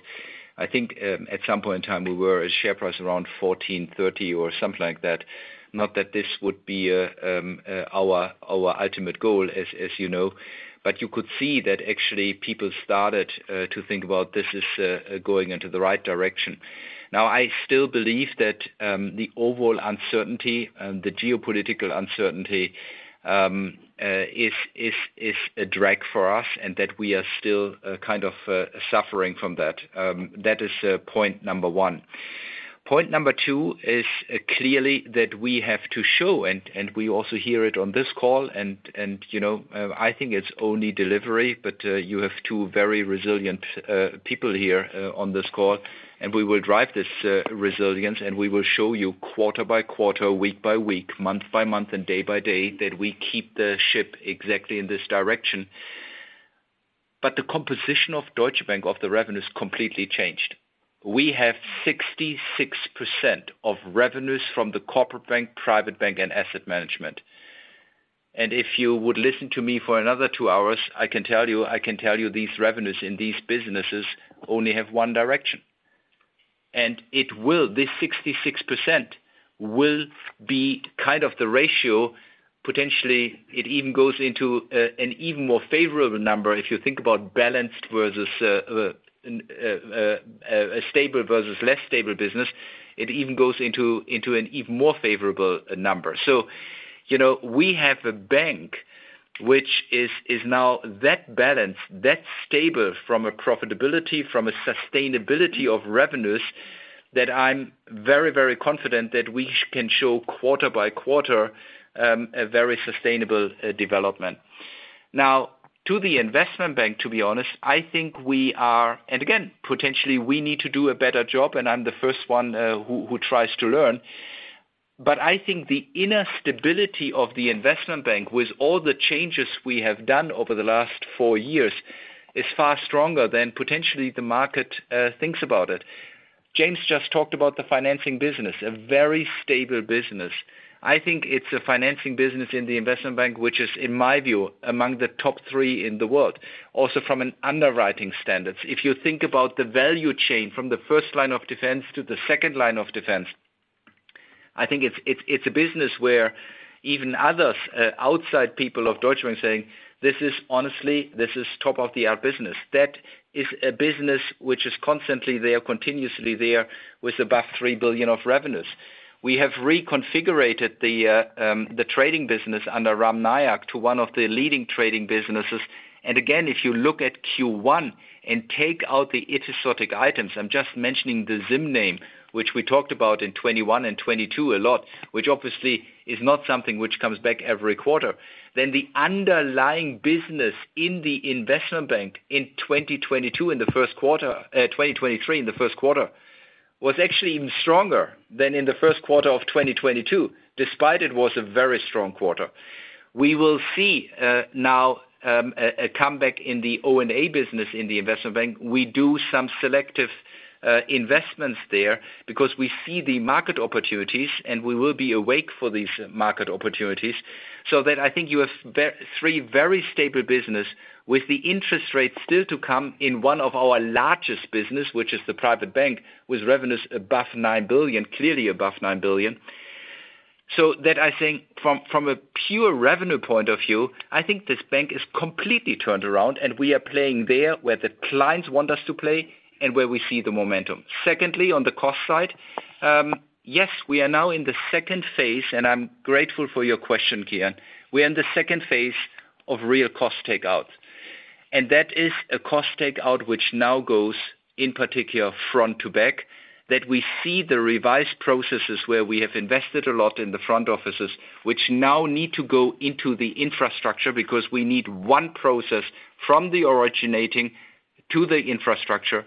I think, at some point in time we were a share price around 14.30 or something like that. Not that this would be our ultimate goal as you know, but you could see that actually people started to think about this is going into the right direction. I still believe that the overall uncertainty and the geopolitical uncertainty is a drag for us and that we are still kind of suffering from that. That is point number one. Point number two is clearly that we have to show, and we also hear it on this call, and you know, I think it's only delivery, you have two very resilient people here on this call, and we will drive this resilience, and we will show you quarter by quarter, week by week, month by month, and day by day that we keep the ship exactly in this direction. The composition of Deutsche Bank, of the revenue is completely changed. We have 66% of revenues from the corporate bank, private bank, and asset management. If you would listen to me for another two hours, I can tell you these revenues in these businesses only have one direction. This 66% will be kind of the ratio. Potentially it even goes into an even more favorable number if you think about balanced versus a stable versus less stable business. It even goes into an even more favorable number. You know, we have a bank which is now that balanced, that stable from a profitability, from a sustainability of revenues that I'm very confident that we can show quarter by quarter a very sustainable development. Now, to the Investment Bank, to be honest, I think we are. Again, potentially we need to do a better job, and I'm the first one who tries to learn. I think the inner stability of the Investment Bank with all the changes we have done over the last four years is far stronger than potentially the market thinks about it. James just talked about the financing business, a very stable business. I think it's a financing business in the investment bank, which is, in my view, among the top three in the world, also from an underwriting standards. If you think about the value chain from the first line of defense to the second line of defense, I think it's a business where even others, outside people of Deutsche Bank saying this is honestly, this is top of the art business. That is a business which is constantly there, continuously there with above 3 billion of revenues. We have reconfigurated the trading business under Ram Nayak to one of the leading trading businesses. Again, if you look at Q1 and take out the exotic items, I'm just mentioning the Zinswende, which we talked about in 2021 and 2022 a lot, which obviously is not something which comes back every quarter. The underlying business in the investment bank in 2023 in the Q1 was actually even stronger than in the Q1 of 2022, despite it was a very strong quarter. We will see now a comeback in the O&A business in the investment bank. We do some selective investments there because we see the market opportunities, and we will be awake for these market opportunities. I think you have three very stable business with the interest rates still to come in one of our largest business, which is the private bank, with revenues above 9 billion, clearly above 9 billion. I think from a pure revenue point of view, I think this bank is completely turned around, and we are playing there where the clients want us to play and where we see the momentum. Secondly, on the cost side, yes, we are now in the second phase, and I'm grateful for your question, Kian. We're in the second phase of real cost take out. That is a cost take out which now goes, in particular, front to back, that we see the revised processes where we have invested a lot in the front offices, which now need to go into the infrastructure because we need one process from the originating to the infrastructure.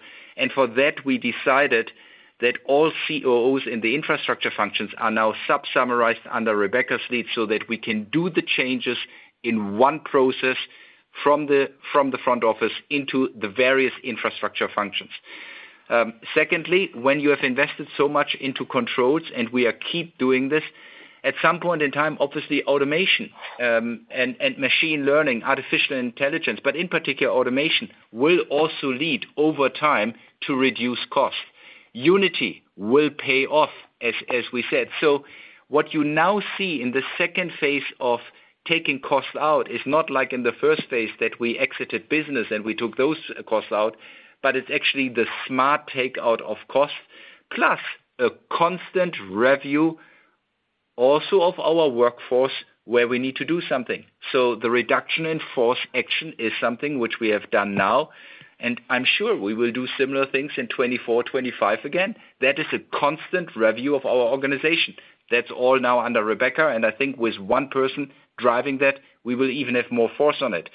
For that, we decided that all COOs in the infrastructure functions are now sub-summarized under Rebecca's lead so that we can do the changes in one process from the front office into the various infrastructure functions. Secondly, when you have invested so much into controls, and we are keep doing this, at some point in time, obviously automation, and machine learning, artificial intelligence, but in particular automation, will also lead over time to reduce costs. Unity will pay off, as we said. What you now see in the second phase of taking costs out is not like in the first phase that we exited business and we took those costs out, but it's actually the smart take out of costs, plus a constant review also of our workforce where we need to do something. The reduction in force action is something which we have done now, and I'm sure we will do similar things in 2024, 2025 again. That is a constant review of our organization. That's all now under Rebecca, and I think with one person driving that, we will even have more force on it.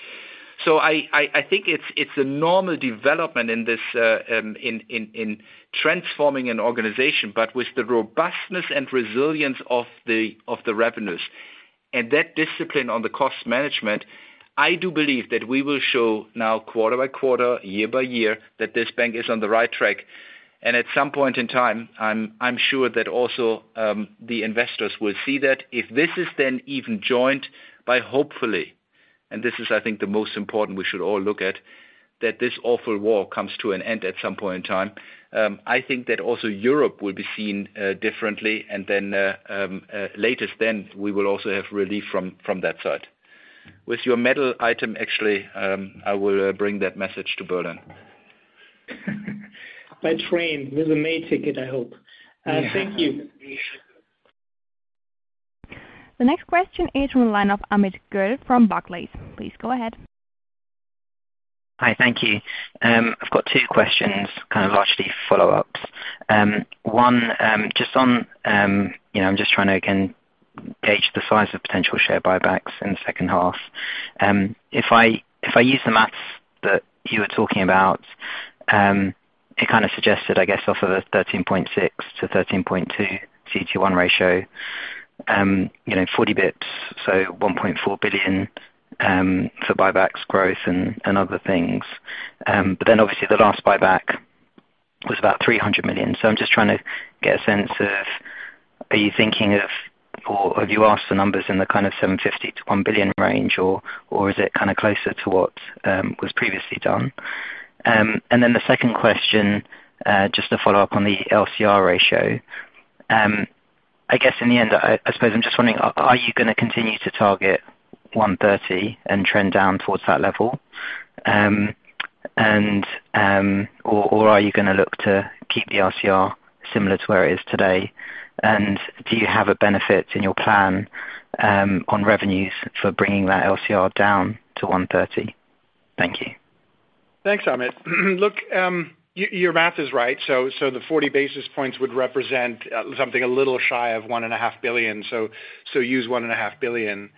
I think it's a normal development in this in transforming an organization, with the robustness and resilience of the revenues and that discipline on the cost management, I do believe that we will show now quarter by quarter, year by year, that this bank is on the right track. At some point in time, I'm sure that also the investors will see that. If this is then even joined by hopefully, and this is, I think, the most important we should all look at, that this awful war comes to an end at some point in time, I think that also Europe will be seen differently and then latest then we will also have relief from that side. With your medal item, actually, I will bring that message to Berlin. By train with a May ticket, I hope. Yeah. Thank you. The next question is from the line of Amit Goel from Barclays. Please go ahead. Hi. Thank you. I've got two questions, kind of largely follow-ups. One, just on, you know, I'm just trying to, again, gauge the size of potential share buybacks in the second half. If I use the math's that you were talking about, it kind of suggested, I guess, off of a 13.6-13.2 CET1 ratio, you know, 40 basis points, so 1.4 billion, for buybacks growth and other things. Obviously the last buyback was about 300 million. I'm just trying to get a sense of, are you thinking of or have you asked for numbers in the kind of 750 million-1 billion range, or is it kind of closer to what was previously done? The second question, just to follow up on the LCR ratio. I guess in the end, I suppose I'm just wondering, are you gonna continue to target 130 and trend down towards that level? Or are you gonna look to keep the LCR similar to where it is today? Do you have a benefit in your plan, on revenues for bringing that LCR down to 130? Thank you. Thanks, Amit. Look, your math is right. So, the 40 basis points would represent something a little shy of 1.5 billion. So, use 1.5 billion.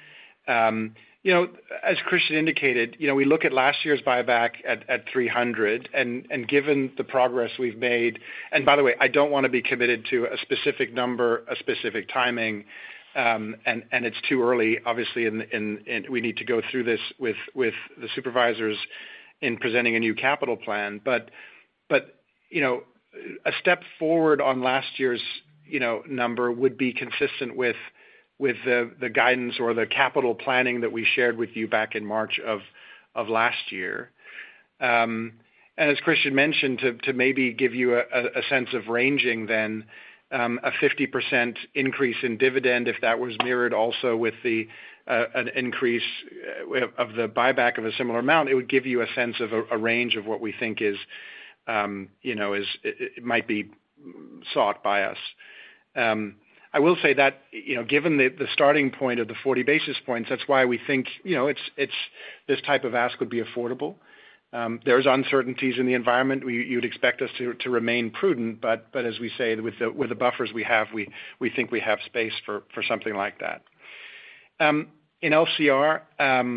You know, as Christian indicated, you know, we look at last year's buyback at 300, and given the progress we've made. By the way, I don't wanna be committed to a specific number, a specific timing, and it's too early, obviously, and we need to go through this with the supervisors in presenting a new capital plan. You know, a step forward on last year's, you know, number would be consistent with the guidance or the capital planning that we shared with you back in March of last year. As Christian mentioned, to maybe give you a sense of ranging then, a 50% increase in dividend, if that was mirrored also with an increase of the buyback of a similar amount, it would give you a sense of a range of what we think is, you know, it might be sought by us. I will say that, you know, given the starting point of the 40 basis points, that's why we think, you know, it's this type of ask would be affordable. There's uncertainties in the environment. You'd expect us to remain prudent, but as we say, with the buffers we have, we think we have space for something like that. In LCR,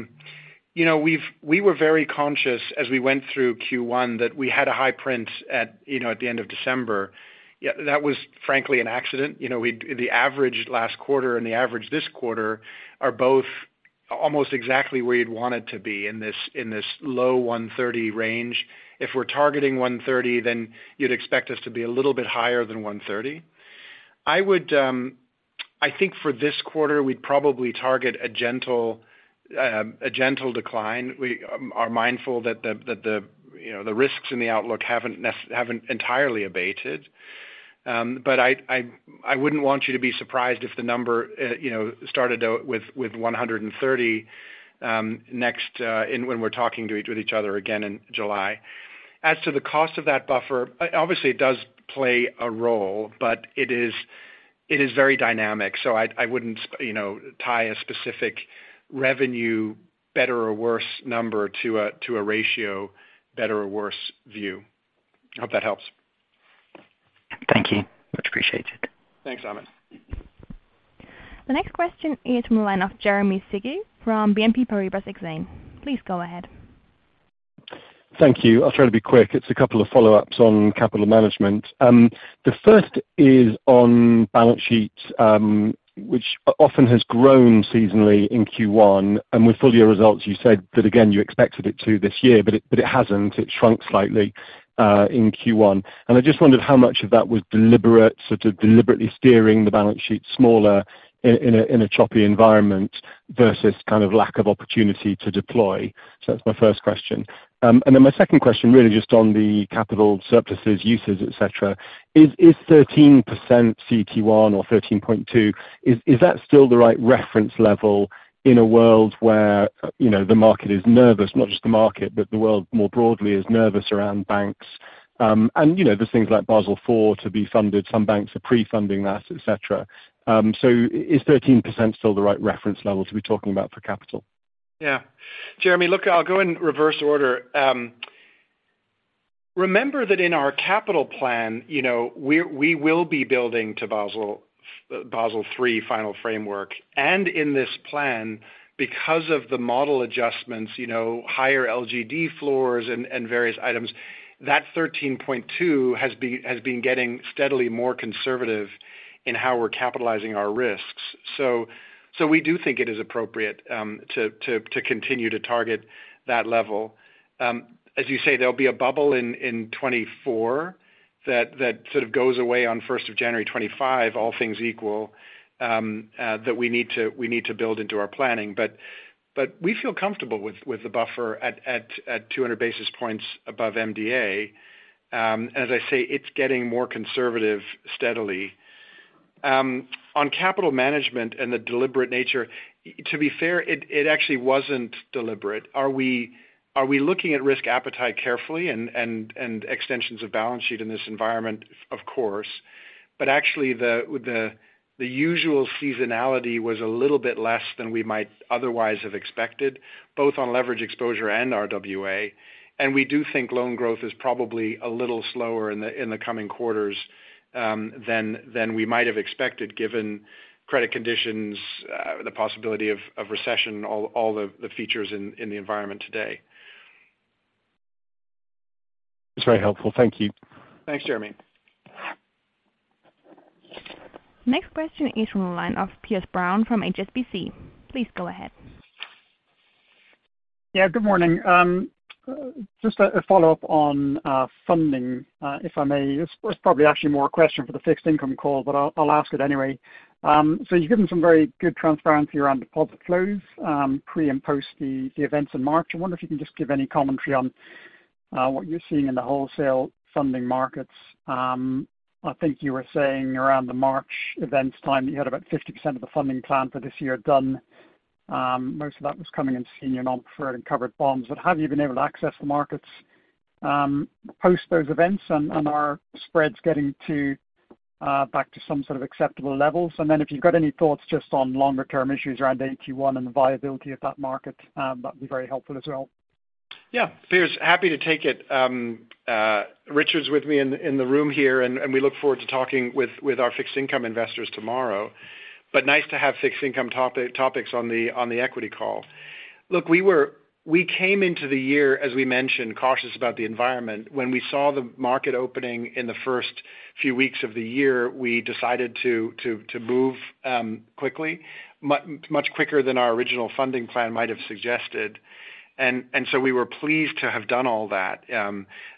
you know, we were very conscious as we went through Q1 that we had a high print at, you know, at the end of December. Yeah, that was frankly an accident. You know, the average last quarter and the average this quarter are both almost exactly where you'd want it to be in this, in this low 130 range. If we're targeting 130, then you'd expect us to be a little bit higher than 130. I would, I think for this quarter, we'd probably target a gentle, a gentle decline. We are mindful that the, that the, you know, the risks in the outlook haven't entirely abated. I wouldn't want you to be surprised if the number, you know, started out with 130 next, and when we're talking with each other again in July. As to the cost of that buffer, obviously, it does play a role, but it is very dynamic, so I wouldn't you know, tie a specific revenue, better or worse number to a, to a ratio, better or worse view. Hope that helps. Thank you. Much appreciated. Thanks, Amit. The next question is from the line of Jeremy Sigee from BNP Paribas Exane. Please go ahead. Thank you. I'll try to be quick. It's a couple of follow-ups on capital management. The first is on balance sheet, which often has grown seasonally in Q1, and with full year results, you said that again, you expected it to this year, but it hasn't. It shrunk slightly in Q1. I just wondered how much of that was deliberate, sort of deliberately steering the balance sheet smaller in a choppy environment versus kind of lack of opportunity to deploy. That's my first question. Then my second question really just on the capital surpluses, uses, et cetera, is 13% CET1 or 13.2%, is that still the right reference level in a world where, you know, the market is nervous, not just the market, but the world more broadly is nervous around banks? You know, there's things like Basel IV to be funded. Some banks are pre-funding that, et cetera. Is 13% still the right reference level to be talking about for capital? Yeah. Jeremy, look, I'll go in reverse order. Remember that in our capital plan, you know, we will be building to Basel III final framework. In this plan, because of the model adjustments, you know, higher LGD floors and various items, that 13.2 has been getting steadily more conservative in how we're capitalizing our risks. We do think it is appropriate to continue to target that level. As you say, there'll be a bubble in 2024 that sort of goes away on 1st of January 2025, all things equal, that we need to build into our planning. We feel comfortable with the buffer at 200 basis points above MDA. As I say, it's getting more conservative steadily. On capital management and the deliberate nature, to be fair, it actually wasn't deliberate? Are we looking at risk appetite carefully and extensions of balance sheet in this environment? Of course. Actually the usual seasonality was a little bit less than we might otherwise have expected, both on leverage exposure and RWA. We do think loan growth is probably a little slower in the coming quarters than we might have expected given credit conditions, the possibility of recession, all the features in the environment today. That's very helpful. Thank you. Thanks, Jeremy. Next question is from the line of Piers Brown from HSBC. Please go ahead. Good morning. Just a follow-up on funding, if I may. It's probably actually more a question for the fixed income call, but I'll ask it anyway. You've given some very good transparency around deposit flows, pre and post the events in March. I wonder if you can just give any commentary on what you're seeing in the wholesale funding markets. I think you were saying around the March events time that you had about 50% of the funding plan for this year done. Most of that was coming in senior non-preferred and covered bonds. Have you been able to access the markets, post those events? Are spreads getting back to some sort of acceptable levels? If you've got any thoughts just on longer term issues around AT1 and the viability of that market, that'd be very helpful as well. Yeah. Piers, happy to take it. Richard's with me in the room here. We look forward to talking with our fixed income investors tomorrow. Nice to have fixed income topics on the equity call. Look, we came into the year, as we mentioned, cautious about the environment. When we saw the market opening in the first few weeks of the year, we decided to move quickly. Much quicker than our original funding plan might have suggested. We were pleased to have done all that.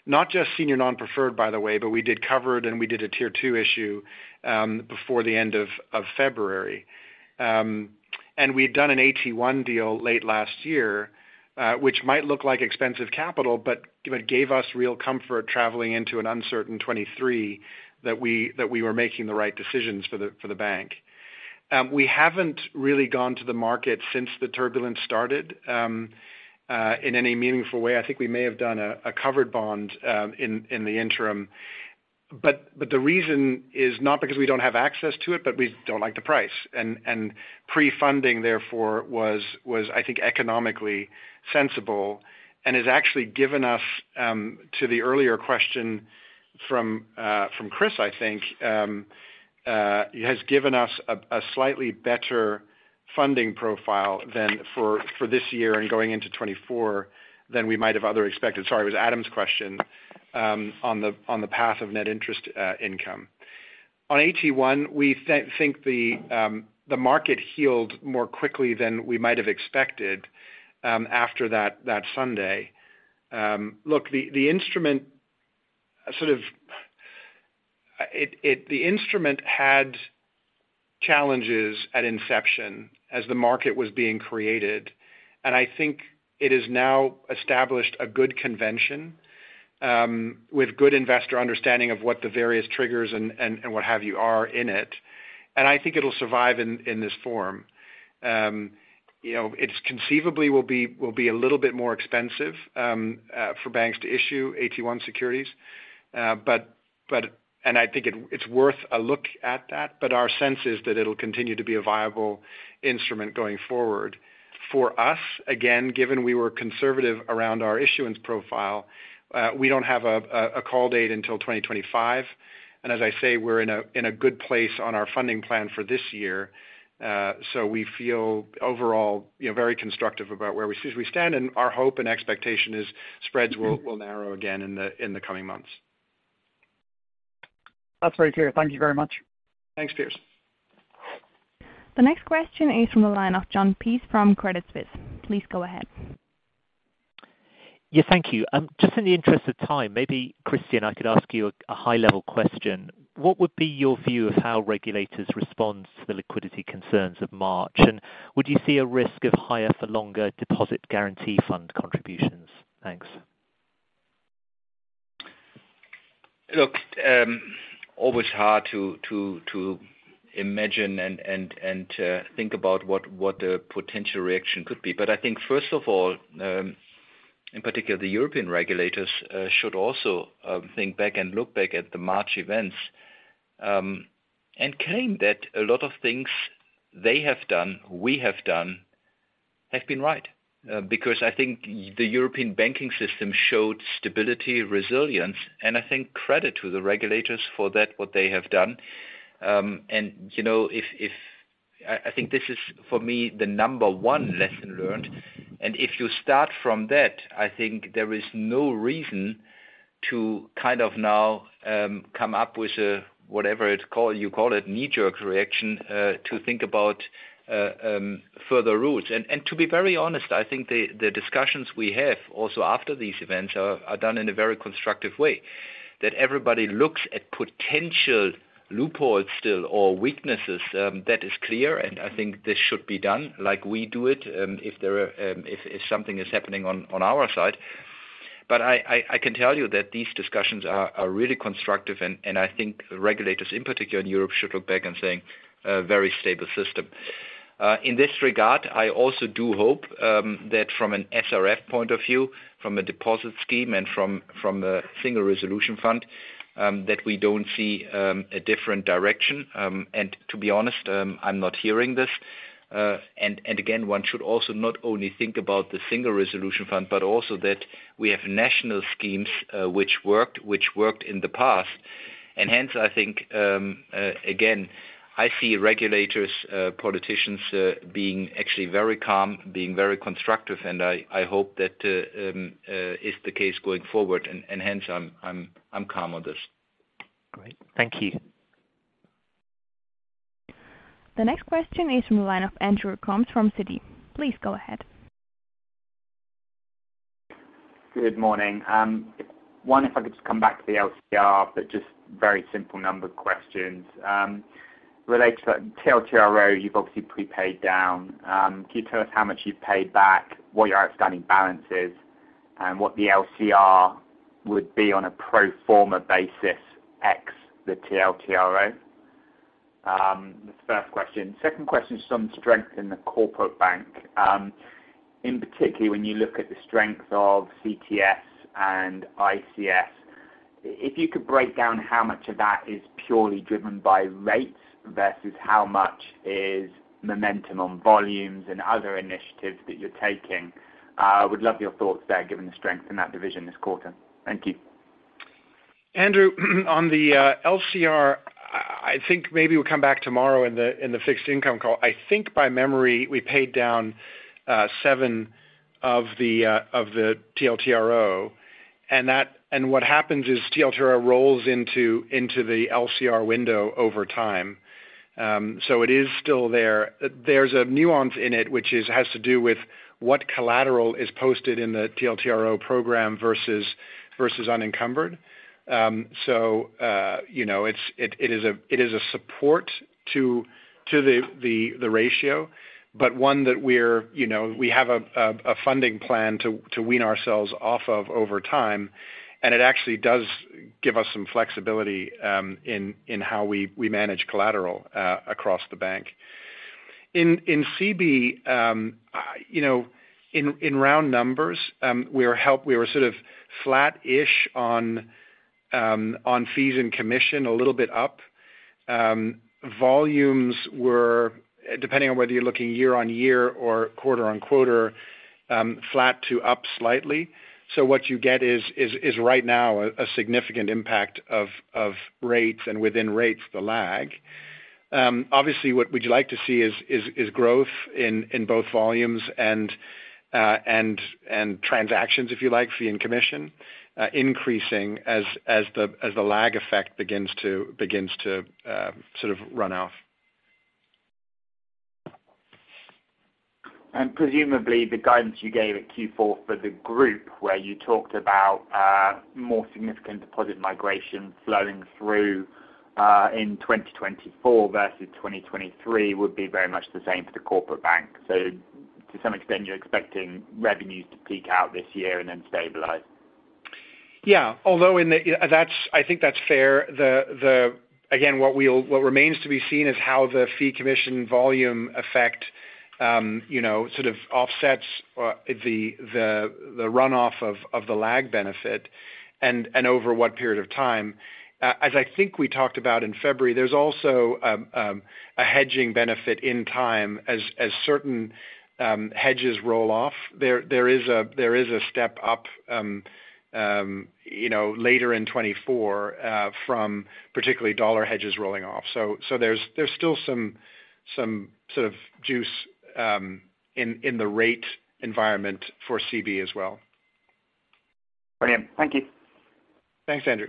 Not just senior non-preferred by the way, but we did covered and we did a Tier 2 issue before the end of February. We'd done an AT1 deal late last year, which might look like expensive capital, but gave us real comfort traveling into an uncertain 2023 that we were making the right decisions for the bank. We haven't really gone to the market since the turbulence started in any meaningful way. I think we may have done a covered bond in the interim. The reason is not because we don't have access to it, but we don't like the price. Pre-funding therefore was I think, economically sensible and has actually given us, to the earlier question from Chris, I think, has given us a slightly better funding profile than for this year and going into 2024 than we might have other expected. Sorry, it was Adam's question on the path of net interest income. On AT1, we think the market healed more quickly than we might have expected after that Sunday. Look, the instrument had challenges at inception as the market was being created, and I think it has now established a good convention with good investor understanding of what the various triggers and what have you are in it. I think it'll survive in this form. You know, it's conceivably will be a little bit more expensive for banks to issue AT1 securities. I think it's worth a look at that, but our sense is that it'll continue to be a viable instrument going forward. For us, again, given we were conservative around our issuance profile, we don't have a call date until 2025. As I say, we're in a good place on our funding plan for this year. We feel overall, you know, very constructive about where we stand, and our hope and expectation is spreads will narrow again in the coming months. That's very clear. Thank you very much. Thanks, Piers. The next question is from the line of Jon Peace from Credit Suisse. Please go ahead. Yeah. Thank you. Just in the interest of time, maybe Christian, I could ask you a high level question. What would be your view of how regulators respond to the liquidity concerns of March? Would you see a risk of higher for longer deposit guarantee fund contributions? Thanks. Look, always hard to imagine and think about what the potential reaction could be. I think first of all, in particular, the European regulators should also think back and look back at the March events and claim that a lot of things they have done, we have done, have been right. I think the European banking system showed stability, resilience, and I think credit to the regulators for that, what they have done. You know, if I think this is, for me, the number one lesson learned. If you start from that, I think there is no reason to kind of now come up with a, whatever it's called, you call it, knee-jerk reaction, to think about further routes. To be very honest, I think the discussions we have also after these events are done in a very constructive way. That everybody looks at potential loopholes still or weaknesses, that is clear, and I think this should be done like we do it, if there, if something is happening on our side. I can tell you that these discussions are really constructive and I think regulators in particular in Europe should look back and saying a very stable system. In this regard, I also do hope that from an SRF point of view, from a deposit scheme and from a Single Resolution Fund, that we don't see a different direction. To be honest, I'm not hearing this. Again, one should also not only think about the Single Resolution Fund, but also that we have national schemes, which worked in the past. Hence, I think, again, I see regulators, politicians, being actually very calm, being very constructive, and I hope that is the case going forward. Hence I'm calm on this. Great. Thank you. The next question is from the line of Andrew Coombs from Citi. Please go ahead. Good morning. One if I could just come back to the LCR, but just very simple number questions. Relates to TLTRO, you've obviously prepaid down. Can you tell us how much you've paid back, what your outstanding balance is, and what the LCR would be on a pro forma basis ex the TLTRO? That's the first question. Second question is some strength in the Corporate Bank. In particular, when you look at the strength of CTS and ICS, if you could break down how much of that is purely driven by rates versus how much is momentum on volumes and other initiatives that you're taking. Would love your thoughts there given the strength in that division this quarter. Thank you. Andrew, on the LCR, I think maybe we'll come back tomorrow in the fixed income call. I think by memory, we paid down seven of the TLTRO. What happens is TLTRO rolls into the LCR window over time. It is still there. There's a nuance in it, which is, has to do with what collateral is posted in the TLTRO program versus unencumbered. You know, it's, it is a support to the ratio, but one that we're, you know, we have a funding plan to wean ourselves off of over time, and it actually does give us some flexibility in how we manage collateral across the bank. In CB, you know, in round numbers, we were sort of flat-Ish on fees and commission a little bit up. Volumes were, depending on whether you're looking year on year or quarter on quarter, flat to up slightly. What you get is right now a significant impact of rates and within rates, the lag. Obviously, what we'd like to see is growth in both volumes and transactions, if you like, fee and commission increasing as the lag effect begins to sort of run off. Presumably the guidance you gave at Q4 for the group, where you talked about more significant deposit migration flowing through in 2024 versus 2023 would be very much the same for the Corporate Bank. To some extent, you're expecting revenues to peak out this year and then stabilize. Yeah. Although that's, I think that's fair. The again, what remains to be seen is how the fee commission volume effect, you know, sort of offsets the runoff of the lag benefit and over what period of time. As I think we talked about in February, there's also a hedging benefit in time as certain hedges roll off. There is a step up, you know, later in 2024, from particularly dollar hedges rolling off. There's still some sort of juice in the rate environment for CB as well. Brilliant. Thank you. Thanks, Andrew.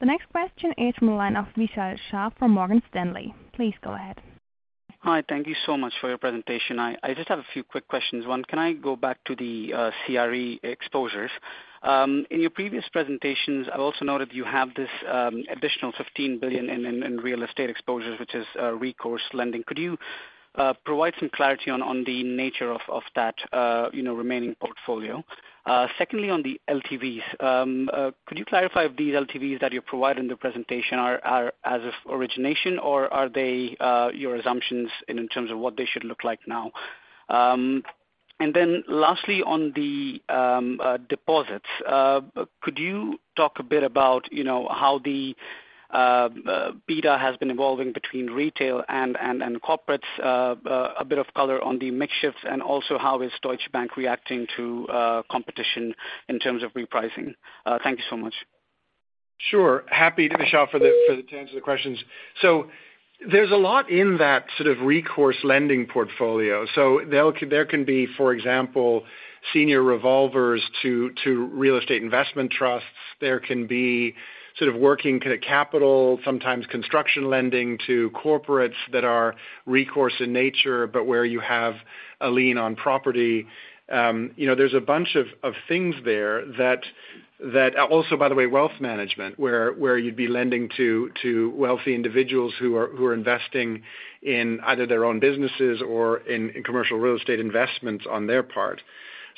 The next question is from the line of Vishal Shah from Morgan Stanley. Please go ahead. Hi. Thank you so much for your presentation. I just have a few quick questions. One, can I go back to the CRE exposures? In your previous presentations, I also noted you have this additional 15 billion in real estate exposures, which is recourse lending. Could you provide some clarity on the nature of that, you know, remaining portfolio? Secondly, on the LTVs, could you clarify if these LTVs that you provide in the presentation are as of origination, or are they your assumptions in terms of what they should look like now? Lastly, on the deposits, could you talk a bit about, you know, how the beta has been evolving between retail and corporates, a bit of color on the mix shifts and also how is Deutsche Bank reacting to competition in terms of repricing? Thank you so much. Sure. Happy to Vishal for to answer the questions. There's a lot in that sort of recourse lending portfolio. There can be, for example, senior revolvers to real estate investment trusts. There can be sort of working capital, sometimes construction lending to corporates that are recourse in nature, but where you have a lien on property. You know, there's a bunch of things there. That also, by the way, wealth management, where you'd be lending to wealthy individuals who are investing in either their own businesses or in commercial real estate investments on their part.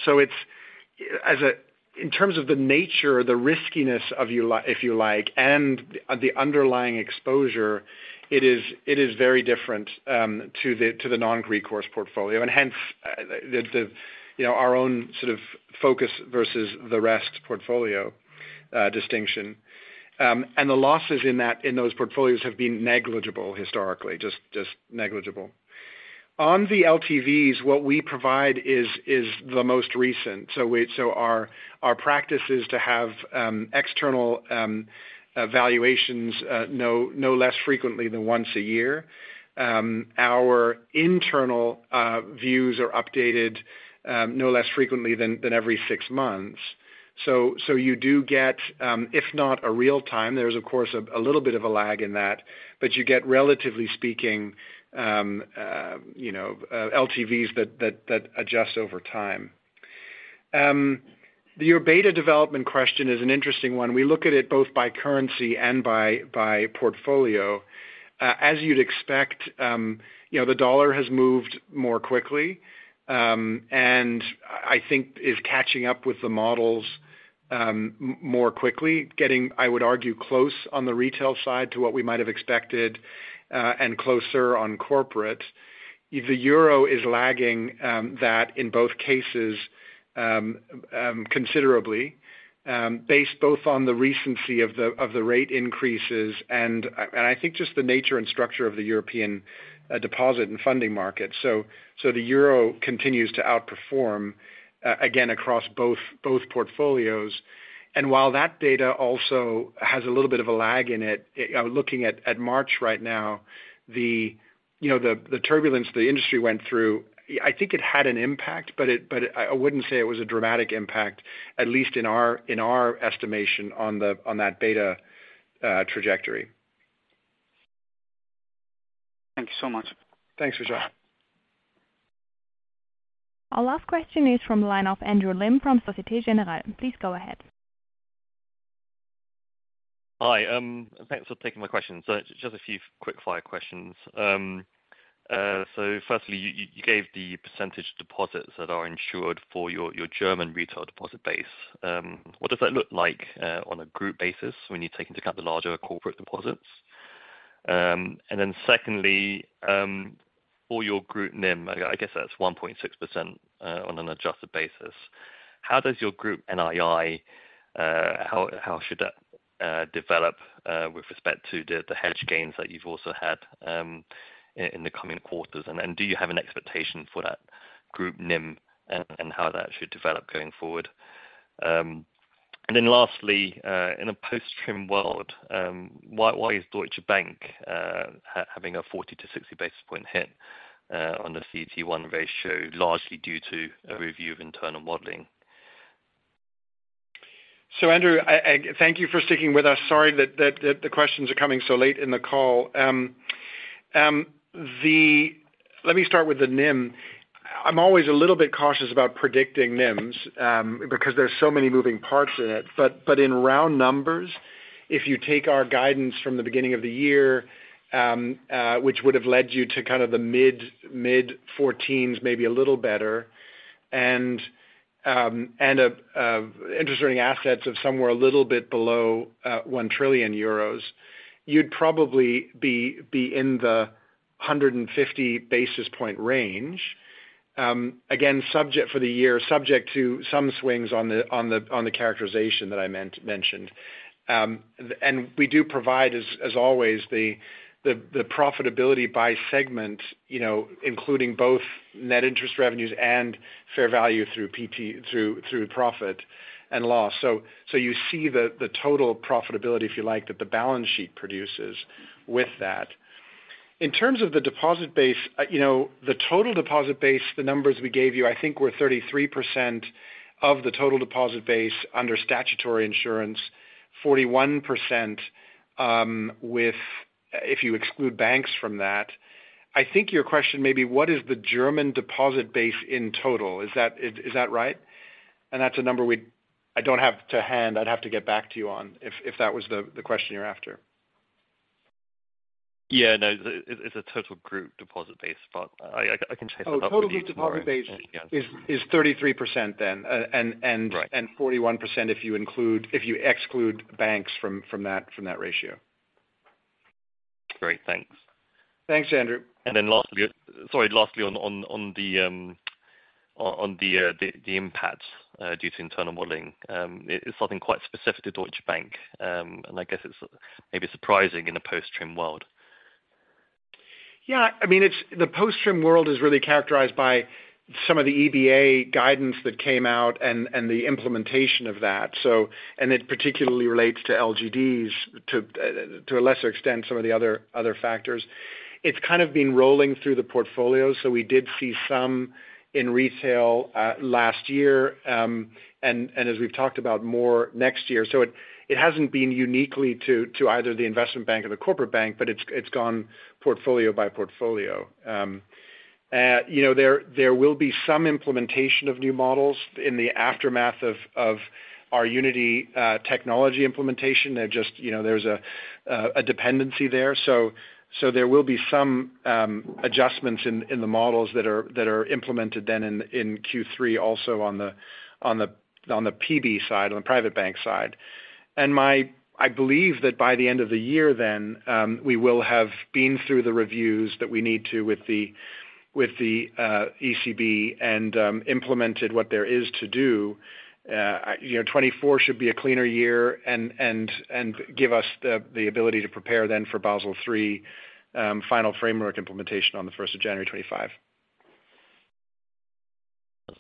It's in terms of the nature, the riskiness of if you like, and the underlying exposure, it is very different to the non-recourse portfolio, and hence the, you know, our own sort of focus versus the rest portfolio distinction. The losses in those portfolios have been negligible historically, just negligible. On the LTVs, what we provide is the most recent. Our practice is to have external evaluations no less frequently than once a year. Our internal views are updated no less frequently than every 6 months. You do get, if not a real time, there's of course, a little bit of a lag in that, but you get relatively speaking, you know, LTVs that adjust over time. Your beta development question is an interesting one. We look at it both by currency and by portfolio. As you'd expect, you know, the dollar has moved more quickly, and I think is catching up with the models, more quickly, getting, I would argue, close on the retail side to what we might have expected, and closer on corporate. The euro is lagging that in both cases, considerably, based both on the recency of the rate increases and I think just the nature and structure of the European, deposit and funding market. The euro continues to outperform again across both portfolios. While that data also has a little bit of a lag in it, looking at March right now, you know, the turbulence the industry went through, I think it had an impact, but it I wouldn't say it was a dramatic impact, at least in our estimation on the beta trajectory. Thank you so much. Thanks, Vishal. Our last question is from the line of Andrew Lim from Societe Generale. Please go ahead. Hi, thanks for taking my question. Just a few quick-fire questions. Firstly, you gave the percentage deposits that are insured for your German retail deposit base. What does that look like on a group basis when you take into account the larger corporate deposits? Secondly, for your group NIM, I guess that's 1.6% on an adjusted basis. How does your group NII, how should that develop with respect to the hedge gains that you've also had in the coming quarters? Do you have an expectation for that group NIM and how that should develop going forward? Lastly, in a post-TRIM world, why is Deutsche Bank having a 40 to 60 basis point hit on the CET1 ratio, largely due to a review of internal modeling? Andrew, I thank you for sticking with us. Sorry that the questions are coming so late in the call. Let me start with the NIM. I'm always a little bit cautious about predicting NIMs because there are so many moving parts in it. In round numbers, if you take our guidance from the beginning of the year, which would have led you to kind of the mid-fourteen, maybe a little better, and interesting assets of somewhere a little bit below 1 trillion euros, you'd probably be in the 150 basis point range. Again, subject for the year, subject to some swings on the characterization that I mentioned. We do provide, as always, the profitability by segment, you know, including both net interest revenues and fair value through profit and loss. You see the total profitability, if you like, that the balance sheet produces with that. In terms of the deposit base, you know, the total deposit base, the numbers we gave you, I think, were 33% of the total deposit base under statutory insurance, 41%. If you exclude banks from that. I think your question may be what is the German deposit base in total? Is that right? That's a number I don't have to hand. I'd have to get back to you on if that was the question you're after. Yeah. No, it's a total group deposit base, but I can chase it up with you tomorrow. Total group deposit base. Yeah. Is 33% then. Right. 41% if you exclude banks from that ratio. Great. Thanks. Thanks, Andrew. lastly, sorry, lastly on the impact due to internal modeling. It's something quite specific to Deutsche Bank, and I guess it's maybe surprising in a post-TRIM world. I mean, it's the post-TRIM world is really characterized by some of the EBA guidance that came out and the implementation of that. It particularly relates to LGDs, to a lesser extent, some of the other factors. It's kind of been rolling through the portfolio, so we did see some in retail last year, and as we've talked about more next year. It hasn't been uniquely to either the investment bank or the corporate bank, but it's gone portfolio by portfolio. You know, there will be some implementation of new models in the aftermath of our Unity technology implementation. There just, you know, there's a dependency there. There will be some adjustments in the models that are implemented then in Q3 also on the PB side, on the Private Bank side. I believe that by the end of the year then, we will have been through the reviews that we need to with the ECB and implemented what there is to do. you know, 2024 should be a cleaner year and give us the ability to prepare then for Basel III final framework implementation on the 1st of January 2025.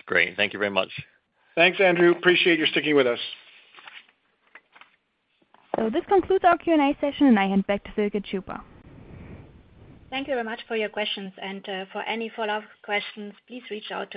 Great. Thank you very much. Thanks, Andrew. Appreciate you sticking with us. This concludes our Q&A session, and I hand back to Silke Szypa. Thank you very much for your questions. For any follow-up questions, please reach out to me.